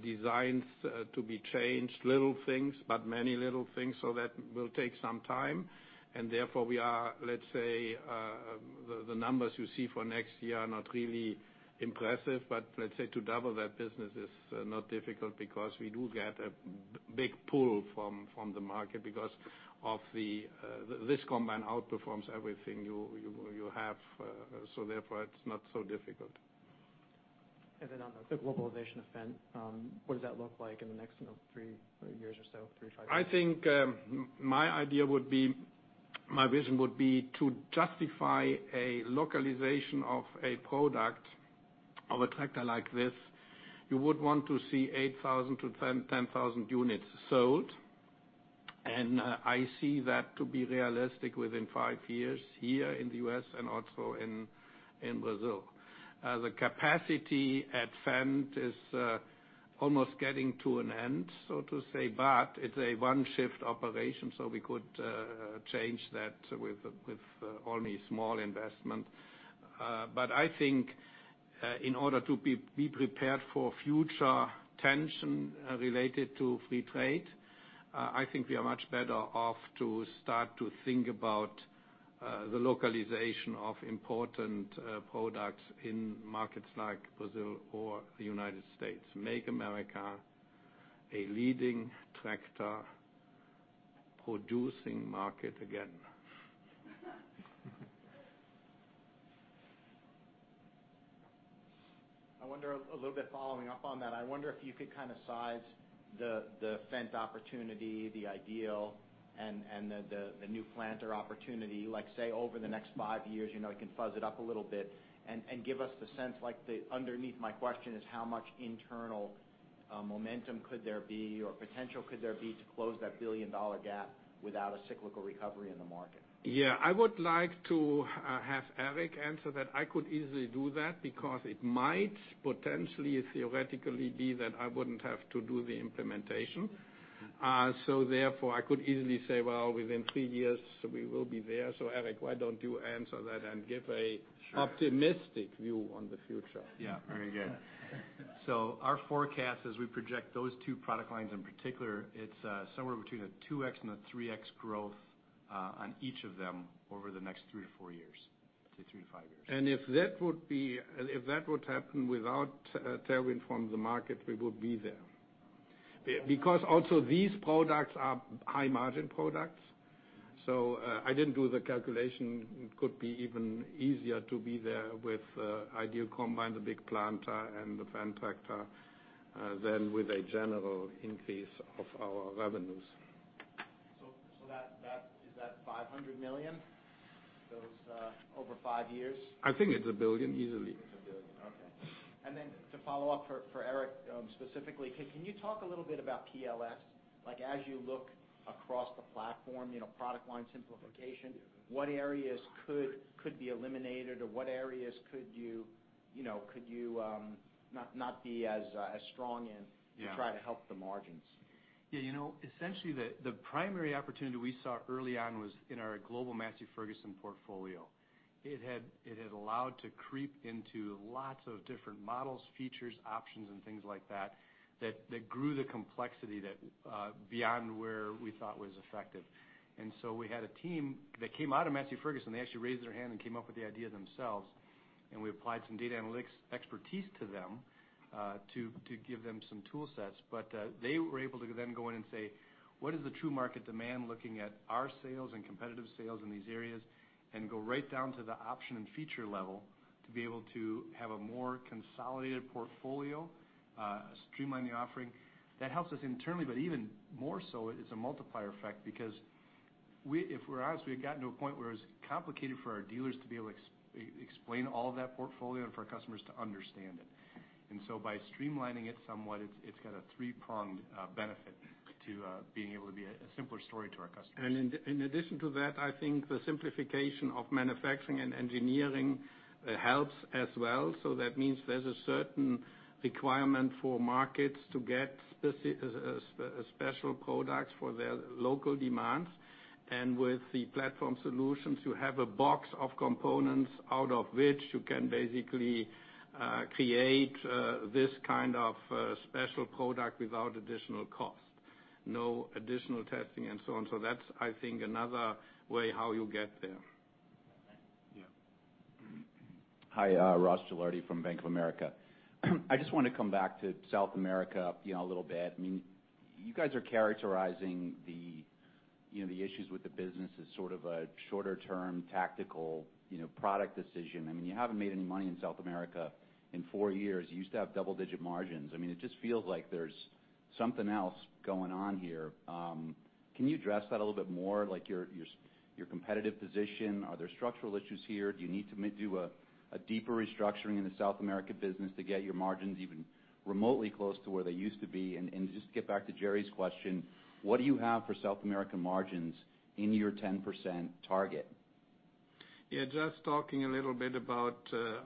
designs to be changed. Little things, but many little things. That will take some time. Therefore, we are, let's say, the numbers you see for next year are not really impressive. Let's say to double that business is not difficult because we do get a big pull from the market because this Combine outperforms everything you have. Therefore, it's not so difficult. Then on the globalization of Fendt, what does that look like in the next three years or so, three to five years? I think my vision would be to justify a localization of a product of a tractor like this. You would want to see 8,000 to 10,000 units sold, and I see that to be realistic within five years here in the U.S. and also in Brazil. The capacity at Fendt is almost getting to an end, so to say, but it's a one-shift operation, so we could change that with only small investment. I think in order to be prepared for future tension related to free trade, I think we are much better off to start to think about the localization of important products in markets like Brazil or the United States. Make America a leading tractor producing market again. I wonder, a little bit following up on that, I wonder if you could size the Fendt opportunity, the IDEAL, and the new planter opportunity, say, over the next five years. You can fuzz it up a little bit and give us the sense. Underneath my question is how much internal momentum could there be or potential could there be to close that billion-dollar gap without a cyclical recovery in the market? Yeah. I would like to have Eric answer that. I could easily do that because it might potentially, theoretically be that I wouldn't have to do the implementation. Therefore, I could easily say, "Well, within three years, we will be there." Eric, why don't you answer that and give an optimistic view on the future? Sure. Yeah, very good. Our forecast, as we project those two product lines in particular, it's somewhere between a 2x and a 3x growth on each of them over the next three to four years. Say three to five years. If that would happen without tailwind from the market, we would be there. Also these products are high-margin products. I didn't do the calculation. It could be even easier to be there with IDEAL Combine, the big planter, and the Fendt tractor than with a general increase of our revenues. Is that $500 million? Those over five years? I think it's $1 billion, easily. It's $1 billion. Okay. To follow up for Eric specifically, can you talk a little bit about PLS? As you look across the platform, product line simplification, what areas could be eliminated, or what areas could you not be as strong in to try to help the margins? Yeah. Essentially, the primary opportunity we saw early on was in our global Massey Ferguson portfolio. It had allowed to creep into lots of different models, features, options, and things like that grew the complexity beyond where we thought was effective. We had a team that came out of Massey Ferguson. They actually raised their hand and came up with the idea themselves, and we applied some data analytics expertise to them to give them some tool sets. They were able to then go in and say, "What is the true market demand looking at our sales and competitive sales in these areas?" Go right down to the option and feature level to be able to have a more consolidated portfolio, streamline the offering. That helps us internally, but even more so, it's a multiplier effect because if we're honest, we had gotten to a point where it was complicated for our dealers to be able to explain all of that portfolio and for our customers to understand it. By streamlining it somewhat, it's got a three-pronged benefit. To being able to be a simpler story to our customers. In addition to that, I think the simplification of manufacturing and engineering helps as well. That means there's a certain requirement for markets to get specific, special products for their local demands. With the platform solutions, you have a box of components out of which you can basically create this kind of special product without additional cost, no additional testing, and so on. That's, I think, another way how you'll get there. Yeah. Hi. Ross Gilardi from Bank of America. I just want to come back to South America a little bit. You guys are characterizing the issues with the business as sort of a shorter term tactical product decision. You haven't made any money in South America in four years. You used to have double-digit margins. It just feels like there's something else going on here. Can you address that a little bit more, like your competitive position? Are there structural issues here? Do you need to do a deeper restructuring in the South America business to get your margins even remotely close to where they used to be? Just get back to Jerry's question, what do you have for South America margins in your 10% target? Just talking a little bit about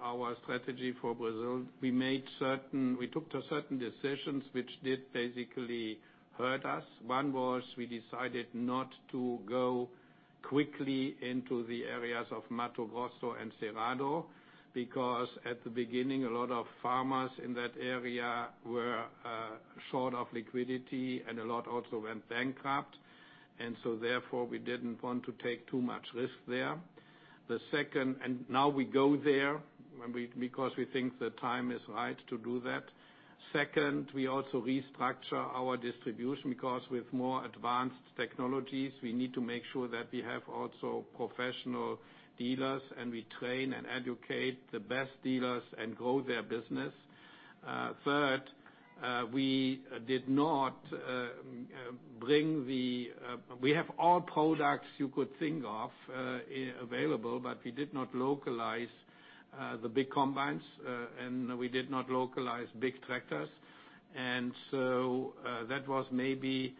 our strategy for Brazil. We took certain decisions which did basically hurt us. One was we decided not to go quickly into the areas of Mato Grosso and Cerrado, because at the beginning, a lot of farmers in that area were short of liquidity and a lot also went bankrupt. Therefore, we didn't want to take too much risk there. Now we go there because we think the time is right to do that. Second, we also restructure our distribution because with more advanced technologies, we need to make sure that we have also professional dealers, and we train and educate the best dealers and grow their business. Third, we have all products you could think of available, but we did not localize the big combines, and we did not localize big tractors. That was maybe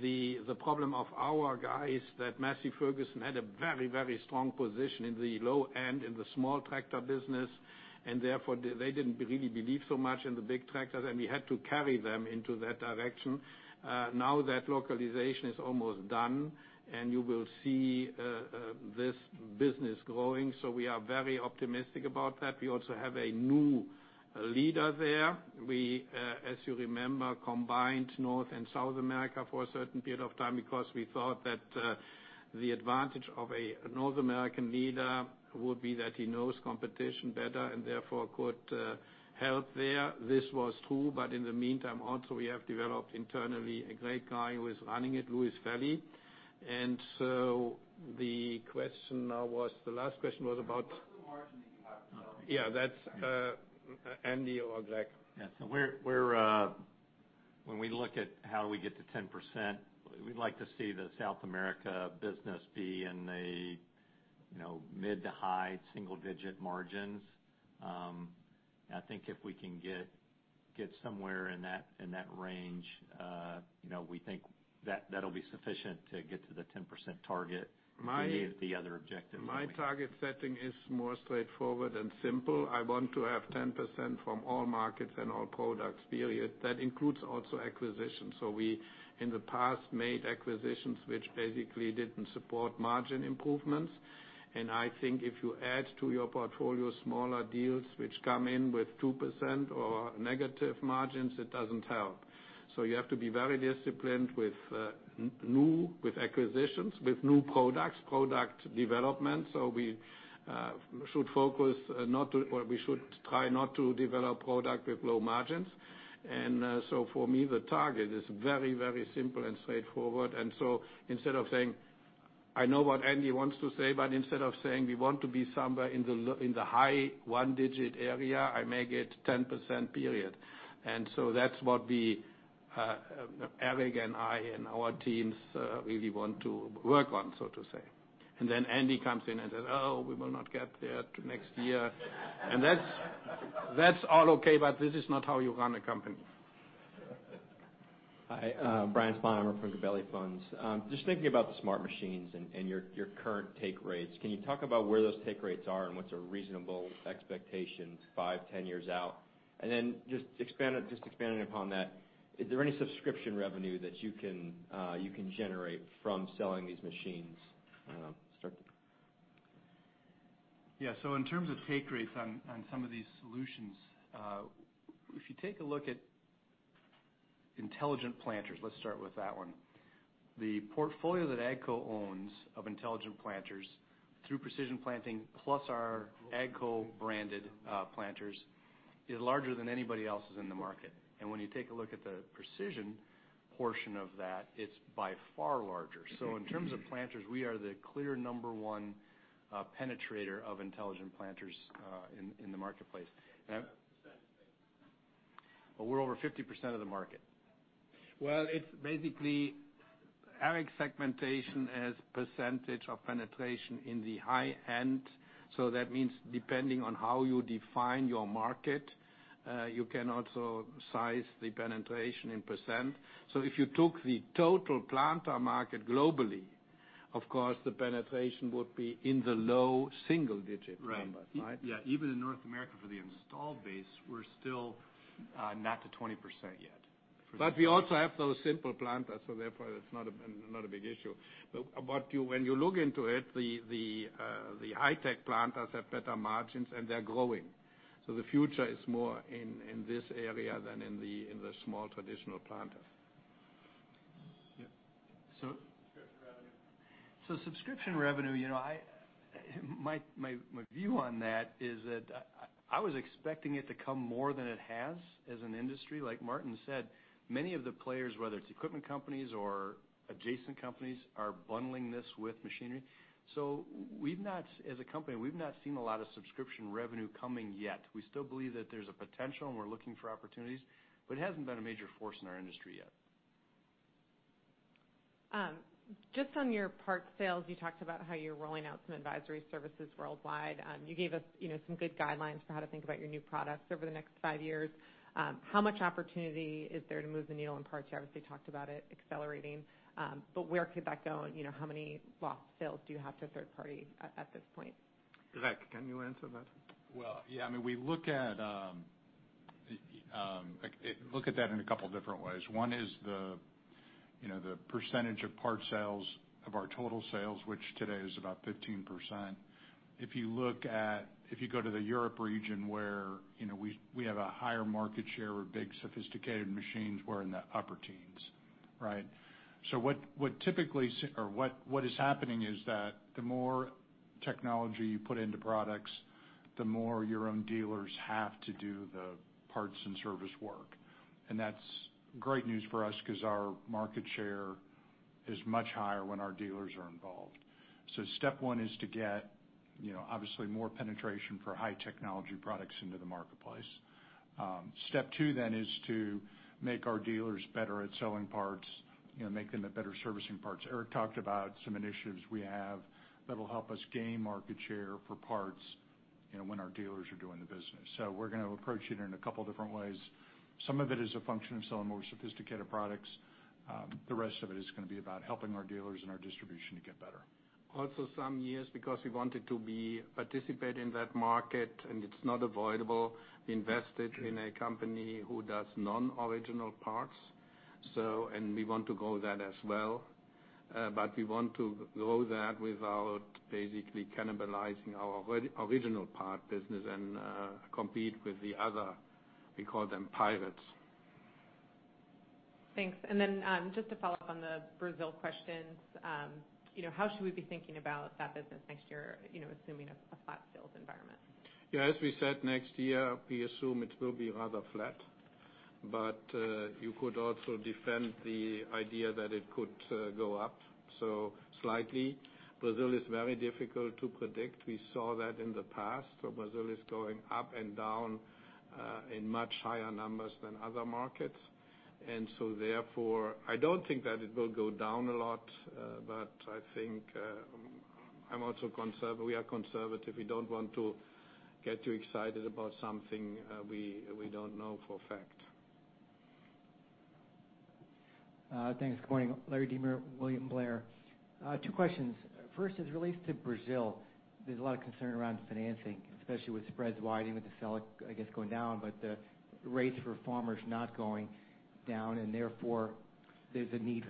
the problem of our guys, that Massey Ferguson had a very strong position in the low end, in the small tractor business, and therefore, they didn't really believe so much in the big tractors, and we had to carry them into that direction. Now that localization is almost done, and you will see this business growing. We are very optimistic about that. We also have a new leader there. We, as you remember, combined North and South America for a certain period of time because we thought that the advantage of a North American leader would be that he knows competition better and therefore, could help there. This was true, but in the meantime, also, we have developed internally a great guy who is running it, Luis Felli. The last question was about. What's the margin that you have in South America? Yeah, that's Andy or Greg. Yeah. When we look at how we get to 10%, we'd like to see the South America business be in a mid to high single-digit margins. I think if we can get somewhere in that range, we think that'll be sufficient to get to the 10% target. We need the other objective. My target setting is more straightforward and simple. I want to have 10% from all markets and all products, period. That includes also acquisitions. We, in the past, made acquisitions which basically didn't support margin improvements. I think if you add to your portfolio smaller deals which come in with 2% or negative margins, it doesn't help. You have to be very disciplined with acquisitions, with new products, product development. We should try not to develop product with low margins. For me, the target is very simple and straightforward. Instead of saying, I know what Andy wants to say, but instead of saying, we want to be somewhere in the high one-digit area, I make it 10%, period. That's what Eric and I and our teams really want to work on, so to say. Then Andy comes in and says, "Oh, we will not get there till next year." That's all okay, but this is not how you run a company. Hi, Brian Sponheimer from Gabelli Funds. Just thinking about the smart machines and your current take rates, can you talk about where those take rates are and what's a reasonable expectation five, 10 years out? Then just expanding upon that, is there any subscription revenue that you can generate from selling these machines? Start with you. In terms of take rates on some of these solutions, if you take a look at intelligent planters, let's start with that one. The portfolio that AGCO owns of intelligent planters through Precision Planting, plus our AGCO branded planters, is larger than anybody else's in the market. When you take a look at the precision portion of that, it's by far larger. In terms of planters, we are the clear number one penetrator of intelligent planters in the marketplace. What percentage? We're over 50% of the market. Well, it is basically Eric's segmentation is percentage of penetration in the high end. That means depending on how you define your market, you can also size the penetration in percent. If you took the total planter market globally, of course, the penetration would be in the low single-digit numbers, right? Right. Yeah. Even in North America for the installed base, we're still not to 20% yet. We also have those simple planters, so therefore that's not a big issue. When you look into it, the high-tech planters have better margins and they're growing. The future is more in this area than in the small traditional planters. Yeah. Subscription revenue? Subscription revenue, my view on that is that I was expecting it to come more than it has as an industry. Like Martin said, many of the players, whether it's equipment companies or adjacent companies, are bundling this with machinery. As a company, we've not seen a lot of subscription revenue coming yet. We still believe that there's a potential and we're looking for opportunities, but it hasn't been a major force in our industry yet. Just on your parts sales, you talked about how you're rolling out some advisory services worldwide. You gave us some good guidelines for how to think about your new products over the next five years. How much opportunity is there to move the needle in parts? You obviously talked about it accelerating. Where could that go? How many lost sales do you have to a third party at this point? Greg, can you answer that? Well, yeah. We look at that in a couple different ways. One is the percentage of parts sales of our total sales, which today is about 15%. If you go to the Europe region where we have a higher market share with big, sophisticated machines, we're in the upper teens. Right? What is happening is that the more technology you put into products, the more your own dealers have to do the parts and service work. That's great news for us because our market share is much higher when our dealers are involved. Step 1 is to get, obviously, more penetration for high technology products into the marketplace. Step 2 then is to make our dealers better at selling parts, make them at better servicing parts. Eric talked about some initiatives we have that'll help us gain market share for parts when our dealers are doing the business. We're going to approach it in a couple different ways. Some of it is a function of selling more sophisticated products. The rest of it is going to be about helping our dealers and our distribution to get better. Also, some years, because we wanted to participate in that market and it's not avoidable, invested in a company who does non-original parts. We want to grow that as well. We want to grow that without basically cannibalizing our original part business and compete with the other, we call them pirates. Thanks. Just to follow up on the Brazil questions. How should we be thinking about that business next year, assuming a flat sales environment? Yeah. As we said, next year we assume it will be rather flat. You could also defend the idea that it could go up so slightly. Brazil is very difficult to predict. We saw that in the past. Brazil is going up and down in much higher numbers than other markets. Therefore, I don't think that it will go down a lot. I think we are conservative. We don't want to get too excited about something we don't know for a fact. Thanks. Good morning. Larry De Maria, William Blair. Two questions. First is related to Brazil. There's a lot of concern around financing, especially with spreads widening with the real, I guess, going down, but the rates for farmers not going down, and therefore there's a need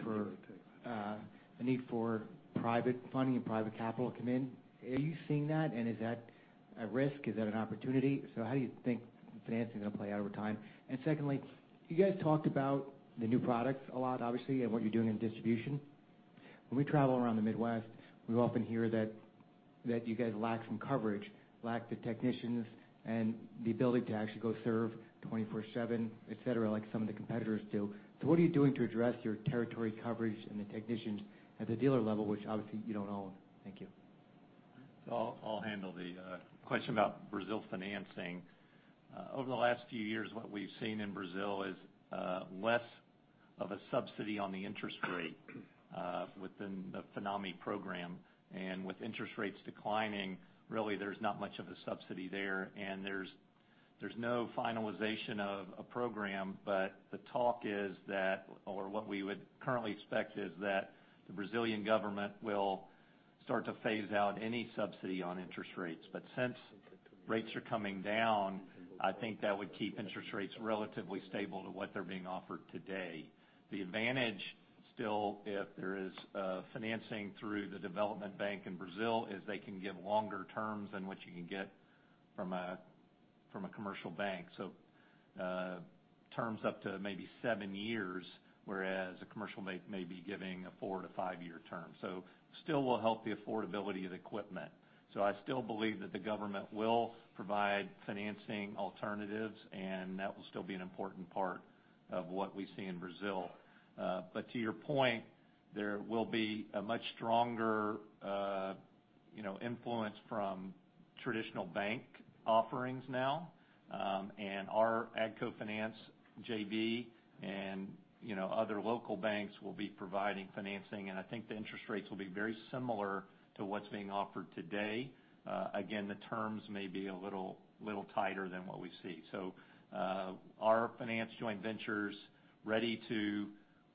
for private funding and private capital to come in. Are you seeing that, and is that a risk? Is that an opportunity? How do you think financing is going to play out over time? Secondly, you guys talked about the new products a lot, obviously, and what you're doing in distribution. When we travel around the Midwest, we often hear that you guys lack some coverage, lack the technicians and the ability to actually go serve 24/7, et cetera, like some of the competitors do. What are you doing to address your territory coverage and the technicians at the dealer level, which obviously you don't own? Thank you. I'll handle the question about Brazil financing. Over the last few years, what we've seen in Brazil is less of a subsidy on the interest rate within the Finame program. With interest rates declining, really, there's not much of a subsidy there. There's no finalization of a program, but the talk is that, or what we would currently expect, is that the Brazilian government will start to phase out any subsidy on interest rates. Since rates are coming down, I think that would keep interest rates relatively stable to what they're being offered today. The advantage still, if there is financing through the development bank in Brazil, is they can give longer terms than what you can get from a commercial bank. Terms up to maybe seven years, whereas a commercial bank may be giving a four to five year term. Still will help the affordability of the equipment. I still believe that the government will provide financing alternatives, and that will still be an important part of what we see in Brazil. To your point, there will be a much stronger. You know, influence from traditional bank offerings now, and our AGCO Finance JV and other local banks will be providing financing, and I think the interest rates will be very similar to what's being offered today. Again, the terms may be a little tighter than what we see. Our finance joint venture's ready to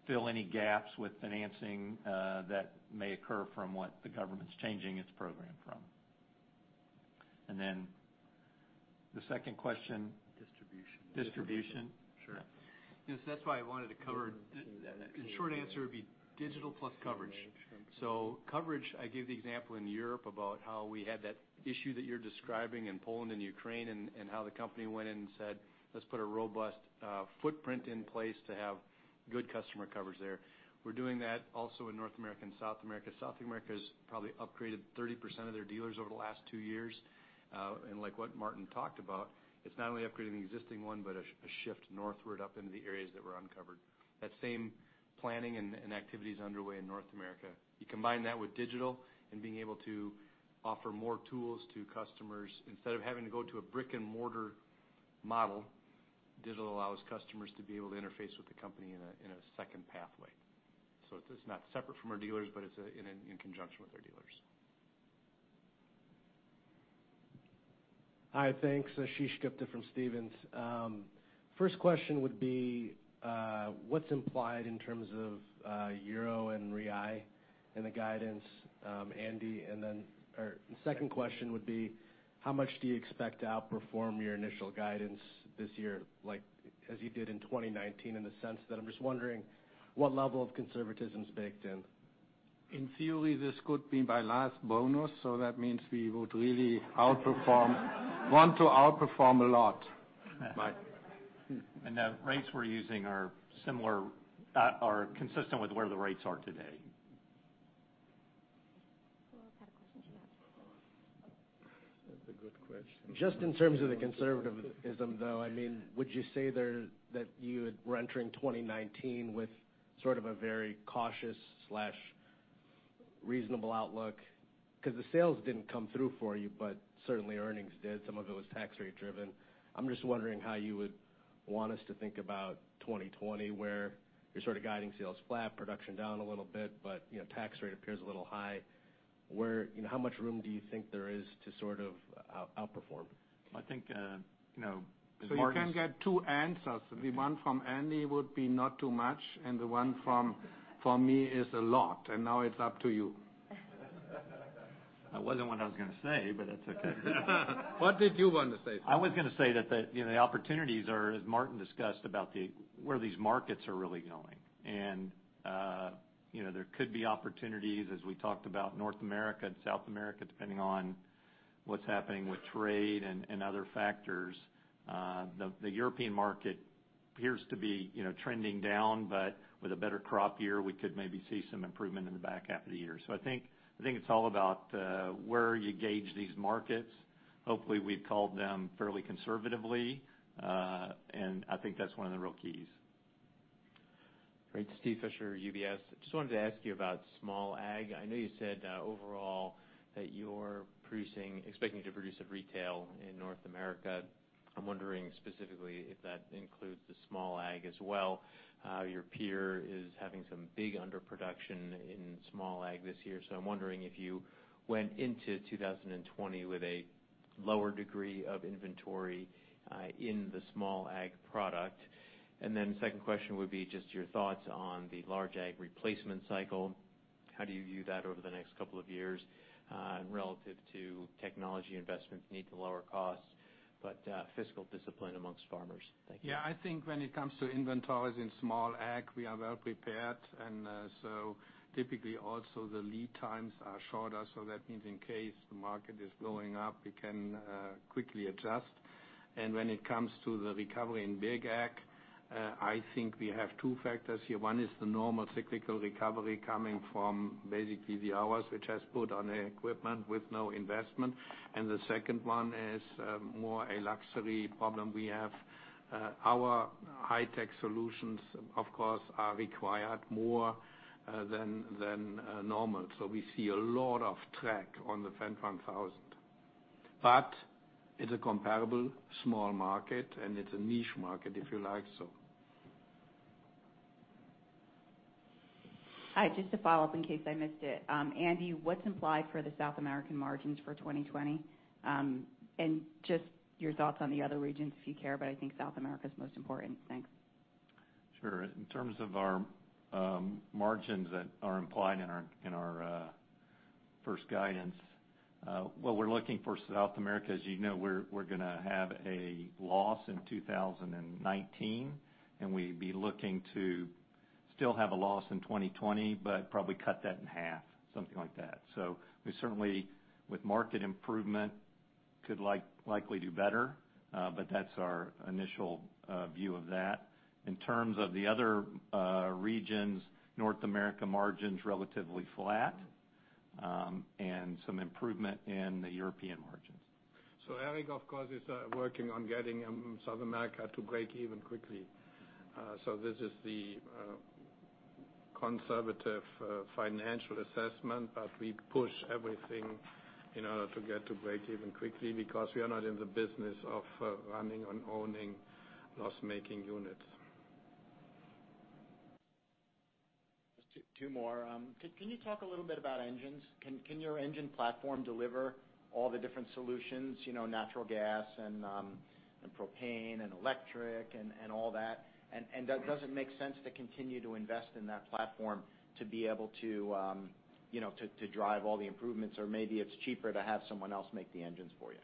fill any gaps with financing that may occur from what the government's changing its program from. The second question? Distribution. Distribution. Sure. The short answer would be digital plus coverage. Coverage, I gave the example in Europe about how we had that issue that you're describing in Poland and Ukraine and how the company went in and said, "Let's put a robust footprint in place to have good customer coverage there." We're doing that also in North America and South America. South America has probably upgraded 30% of their dealers over the last two years. And like what Martin talked about, it's not only upgrading the existing one, but a shift northward up into the areas that were uncovered. That same planning and activity is underway in North America. You combine that with digital and being able to offer more tools to customers. Instead of having to go to a brick-and-mortar model, digital allows customers to be able to interface with the company in a second pathway. It's not separate from our dealers, but it's in conjunction with our dealers. Hi. Thanks. Ashish Gupta from Stephens. First question would be, what's implied in terms of euro and real in the guidance, Andy? The second question would be, how much do you expect to outperform your initial guidance this year, like as you did in 2019, in the sense that I'm just wondering what level of conservatism is baked in? In theory, this could be my last bonus, so that means we would really want to outperform a lot. The rates we're using are consistent with where the rates are today. Who else had a question? Yeah. That's a good question. Just in terms of the conservatism, though, would you say that you were entering 2019 with sort of a very cautious/reasonable outlook? The sales didn't come through for you, but certainly earnings did. Some of it was tax rate driven. I'm just wondering how you would want us to think about 2020, where you're sort of guiding sales flat, production down a little bit, but tax rate appears a little high. How much room do you think there is to sort of outperform? I think, as Martin. You can get two answers. The one from Andy would be not too much, and the one from me is a lot. Now it's up to you. That wasn't what I was going to say, but it's okay. What did you want to say? I was going to say that the opportunities are, as Martin discussed, about where these markets are really going. There could be opportunities, as we talked about North America and South America, depending on what's happening with trade and other factors. The European market appears to be trending down, but with a better crop year, we could maybe see some improvement in the back half of the year. I think it's all about where you gauge these markets. Hopefully, we've called them fairly conservatively. I think that's one of the real keys. Great. Steven Fisher, UBS. Just wanted to ask you about small ag. I know you said overall that you're expecting to produce at retail in North America. I'm wondering specifically if that includes the small ag as well. Your peer is having some big underproduction in small ag this year. I'm wondering if you went into 2020 with a lower degree of inventory in the small ag product. Second question would be just your thoughts on the large ag replacement cycle. How do you view that over the next couple of years relative to technology investments need to lower costs, but fiscal discipline amongst farmers? Thank you. Yeah, I think when it comes to inventories in small ag, we are well prepared. Typically also the lead times are shorter, so that means in case the market is going up, we can quickly adjust. When it comes to the recovery in big ag, I think we have two factors here. One is the normal cyclical recovery coming from basically the hours which has put on equipment with no investment. The second one is more a luxury problem we have. Our high-tech solutions, of course, are required more than normal. We see a lot of track on the Fendt 1000. It's a comparable small market, and it's a niche market, if you like so. Hi. Just to follow up in case I missed it. Andy, what's implied for the South American margins for 2020? Just your thoughts on the other regions, if you care, but I think South America's most important. Thanks. In terms of our margins that are implied in our first guidance, what we're looking for South America, as you know, we're going to have a loss in 2019, and we'd be looking to still have a loss in 2020, but probably cut that in half, something like that. We certainly, with market improvement, could likely do better. That's our initial view of that. In terms of the other regions, North America margin's relatively flat, and some improvement in the European margins. Eric, of course, is working on getting South America to break even quickly. This is the conservative financial assessment, but we push everything in order to get to breakeven quickly, because we are not in the business of running and owning loss-making units. Just two more. Can you talk a little bit about engines? Can your engine platform deliver all the different solutions, natural gas and propane and electric and all that? Does it make sense to continue to invest in that platform to be able to drive all the improvements or maybe it's cheaper to have someone else make the engines for you?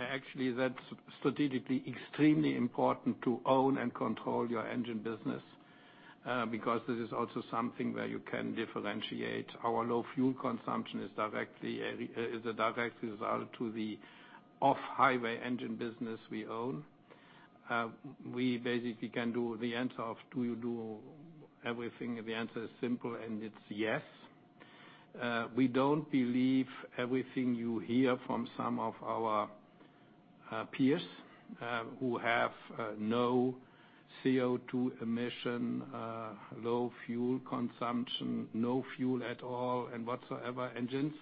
Actually, that's strategically extremely important to own and control your engine business, because this is also something where you can differentiate. Our low fuel consumption is a direct result to the off-highway engine business we own. We basically can do the answer of do you do everything? The answer is simple, and it's yes. We don't believe everything you hear from some of our peers who have no CO2 emission, low fuel consumption, no fuel at all, and whatsoever engines,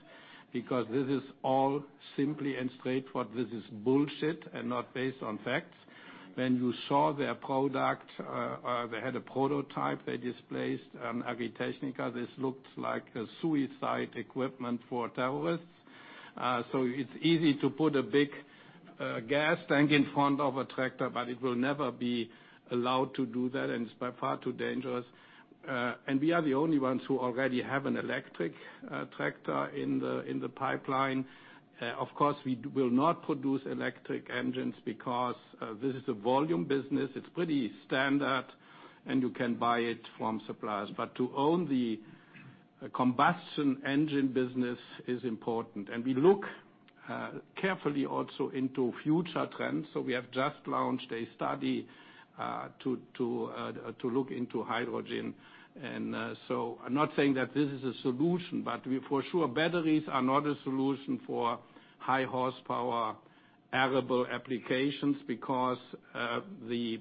because this is all simply and straightforward, this is bullshit and not based on facts. When you saw their product, or they had a prototype they displaced on Agritechnica, this looked like a suicide equipment for terrorists. It's easy to put a big gas tank in front of a tractor, but it will never be allowed to do that, and it's by far too dangerous. We are the only ones who already have an electric tractor in the pipeline. Of course, we will not produce electric engines because this is a volume business. It's pretty standard, and you can buy it from suppliers. To own the combustion engine business is important. We look carefully also into future trends. We have just launched a study to look into hydrogen. I'm not saying that this is a solution, but for sure, batteries are not a solution for high horsepower arable applications because the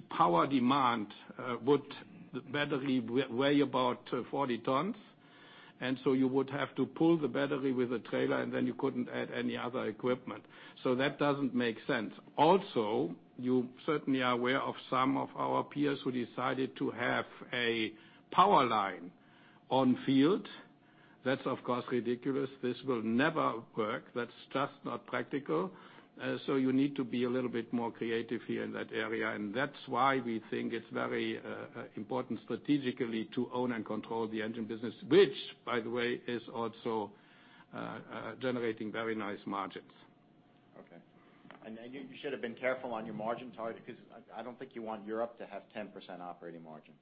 battery would weigh about 40 tons. You would have to pull the battery with a trailer, and then you couldn't add any other equipment. That doesn't make sense. Also, you certainly are aware of some of our peers who decided to have a power line on field. That's, of course, ridiculous. This will never work. That's just not practical. You need to be a little bit more creative here in that area. That's why we think it's very important strategically to own and control the engine business, which by the way, is also generating very nice margins. Okay. You should have been careful on your margin target because I don't think you want Europe to have 10% operating margins.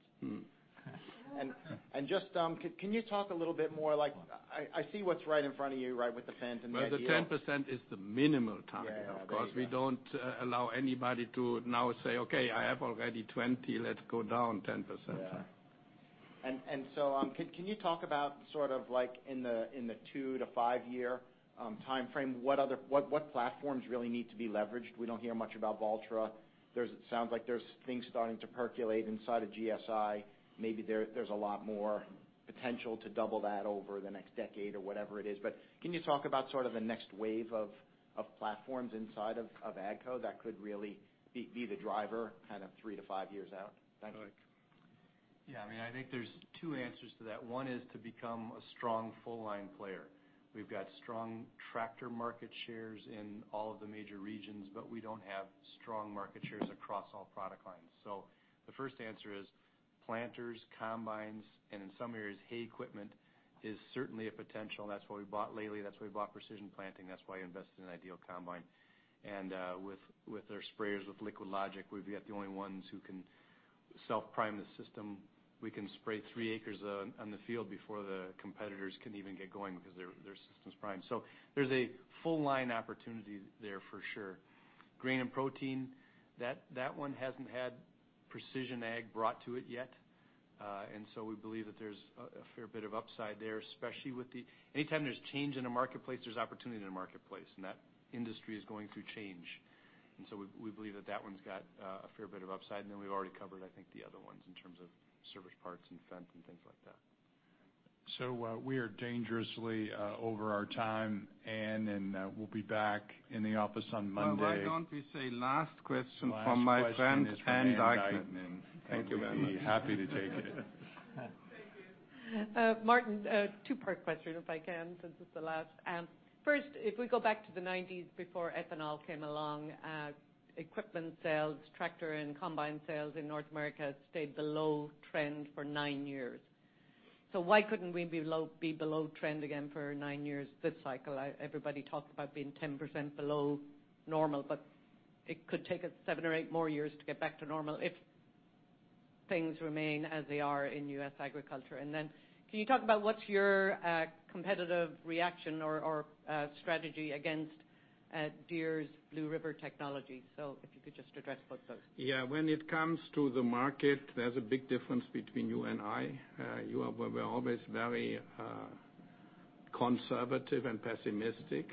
Just, can you talk a little bit more like, I see what's right in front of you, right, with the Fendt and the IDEAL. Well, the 10% is the minimal target. Yeah. There you go. Of course, we don't allow anybody to now say, "Okay, I have already 20. Let's go down 10%. Yeah. Can you talk about sort of like in the two to five-year timeframe, what platforms really need to be leveraged? We don't hear much about Valtra. It sounds like there's things starting to percolate inside of GSI. Maybe there's a lot more potential to double that over the next decade or whatever it is. Can you talk about sort of the next wave of platforms inside of AGCO that could really be the driver kind of three to five years out? Thanks. Yeah, I think there's two answers to that. One is to become a strong full line player. We've got strong tractor market shares in all of the major regions. We don't have strong market shares across all product lines. The first answer is planters, combines, and in some areas, hay equipment is certainly a potential, and that's why we bought Lely, that's why we bought Precision Planting, that's why we invested in IDEAL Combine. With our sprayers, with LiquidLogic, we'll be the only ones who can self-prime the system. We can spray three acres on the field before the competitors can even get going because their system's primed. There's a full line opportunity there for sure. Grain and protein, that one hasn't had precision ag brought to it yet. We believe that there's a fair bit of upside there, especially with the Anytime there's change in a marketplace, there's opportunity in the marketplace. That industry is going through change. We believe that one's got a fair bit of upside. Then we've already covered, I think, the other ones in terms of service parts and Fendt and things like that. We are dangerously over our time, Ann, and we'll be back in the office on Monday. Well, why don't we say last question from my friend Ann Duignan. Last question is from Ann Duignan. Thank you, Anne. Thank you, Martin. Happy to take it. Thank you. Martin, a two-part question, if I can, since it's the last. First, if we go back to the 1990s before ethanol came along, equipment sales, tractor and combine sales in North America stayed below trend for nine years. Why couldn't we be below trend again for nine years this cycle? Everybody talks about being 10% below normal, it could take us seven or eight more years to get back to normal if things remain as they are in U.S. agriculture. Can you talk about what's your competitive reaction or strategy against Deere's Blue River Technology? If you could just address both those. Yeah. When it comes to the market, there's a big difference between you and I. You were always very conservative and pessimistic.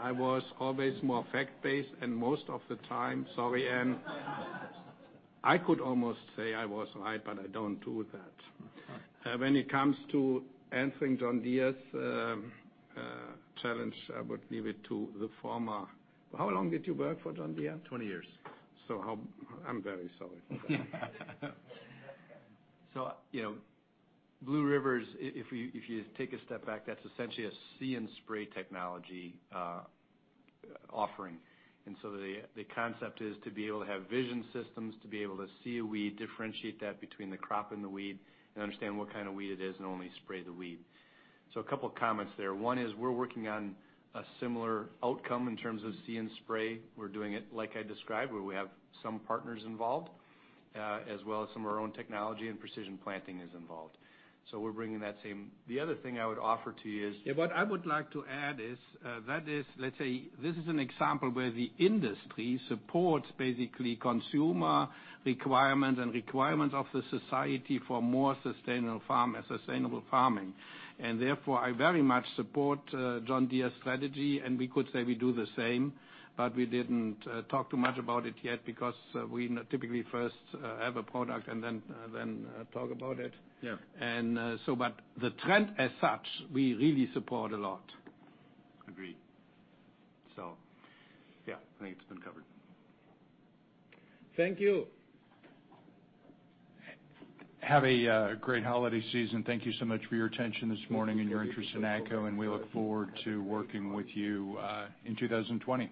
I was always more fact-based and most of the time, sorry, Ann. I could almost say I was right, but I don't do that. When it comes to answering John Deere's challenge, I would leave it to the former. How long did you work for John Deere? 20 years. I'm very sorry for that. Blue River, if you take a step back, that's essentially a see and spray technology offering. The concept is to be able to have vision systems, to be able to see a weed, differentiate that between the crop and the weed, and understand what kind of weed it is and only spray the weed. A couple of comments there. One is we're working on a similar outcome in terms of see and spray. We're doing it like I described, where we have some partners involved, as well as some of our own technology and Precision Planting is involved. We're bringing that same. The other thing I would offer to you. Yeah. What I would like to add is, that is, let's say this is an example where the industry supports basically consumer requirements and requirements of the society for more sustainable farming. Therefore, I very much support John Deere's strategy, and we could say we do the same, but we didn't talk too much about it yet because we typically first have a product and then talk about it. Yeah. The trend as such, we really support a lot. Agreed. Yeah, I think it's been covered. Thank you. Have a great holiday season. Thank you so much for your attention this morning and your interest in AGCO. We look forward to working with you in 2020.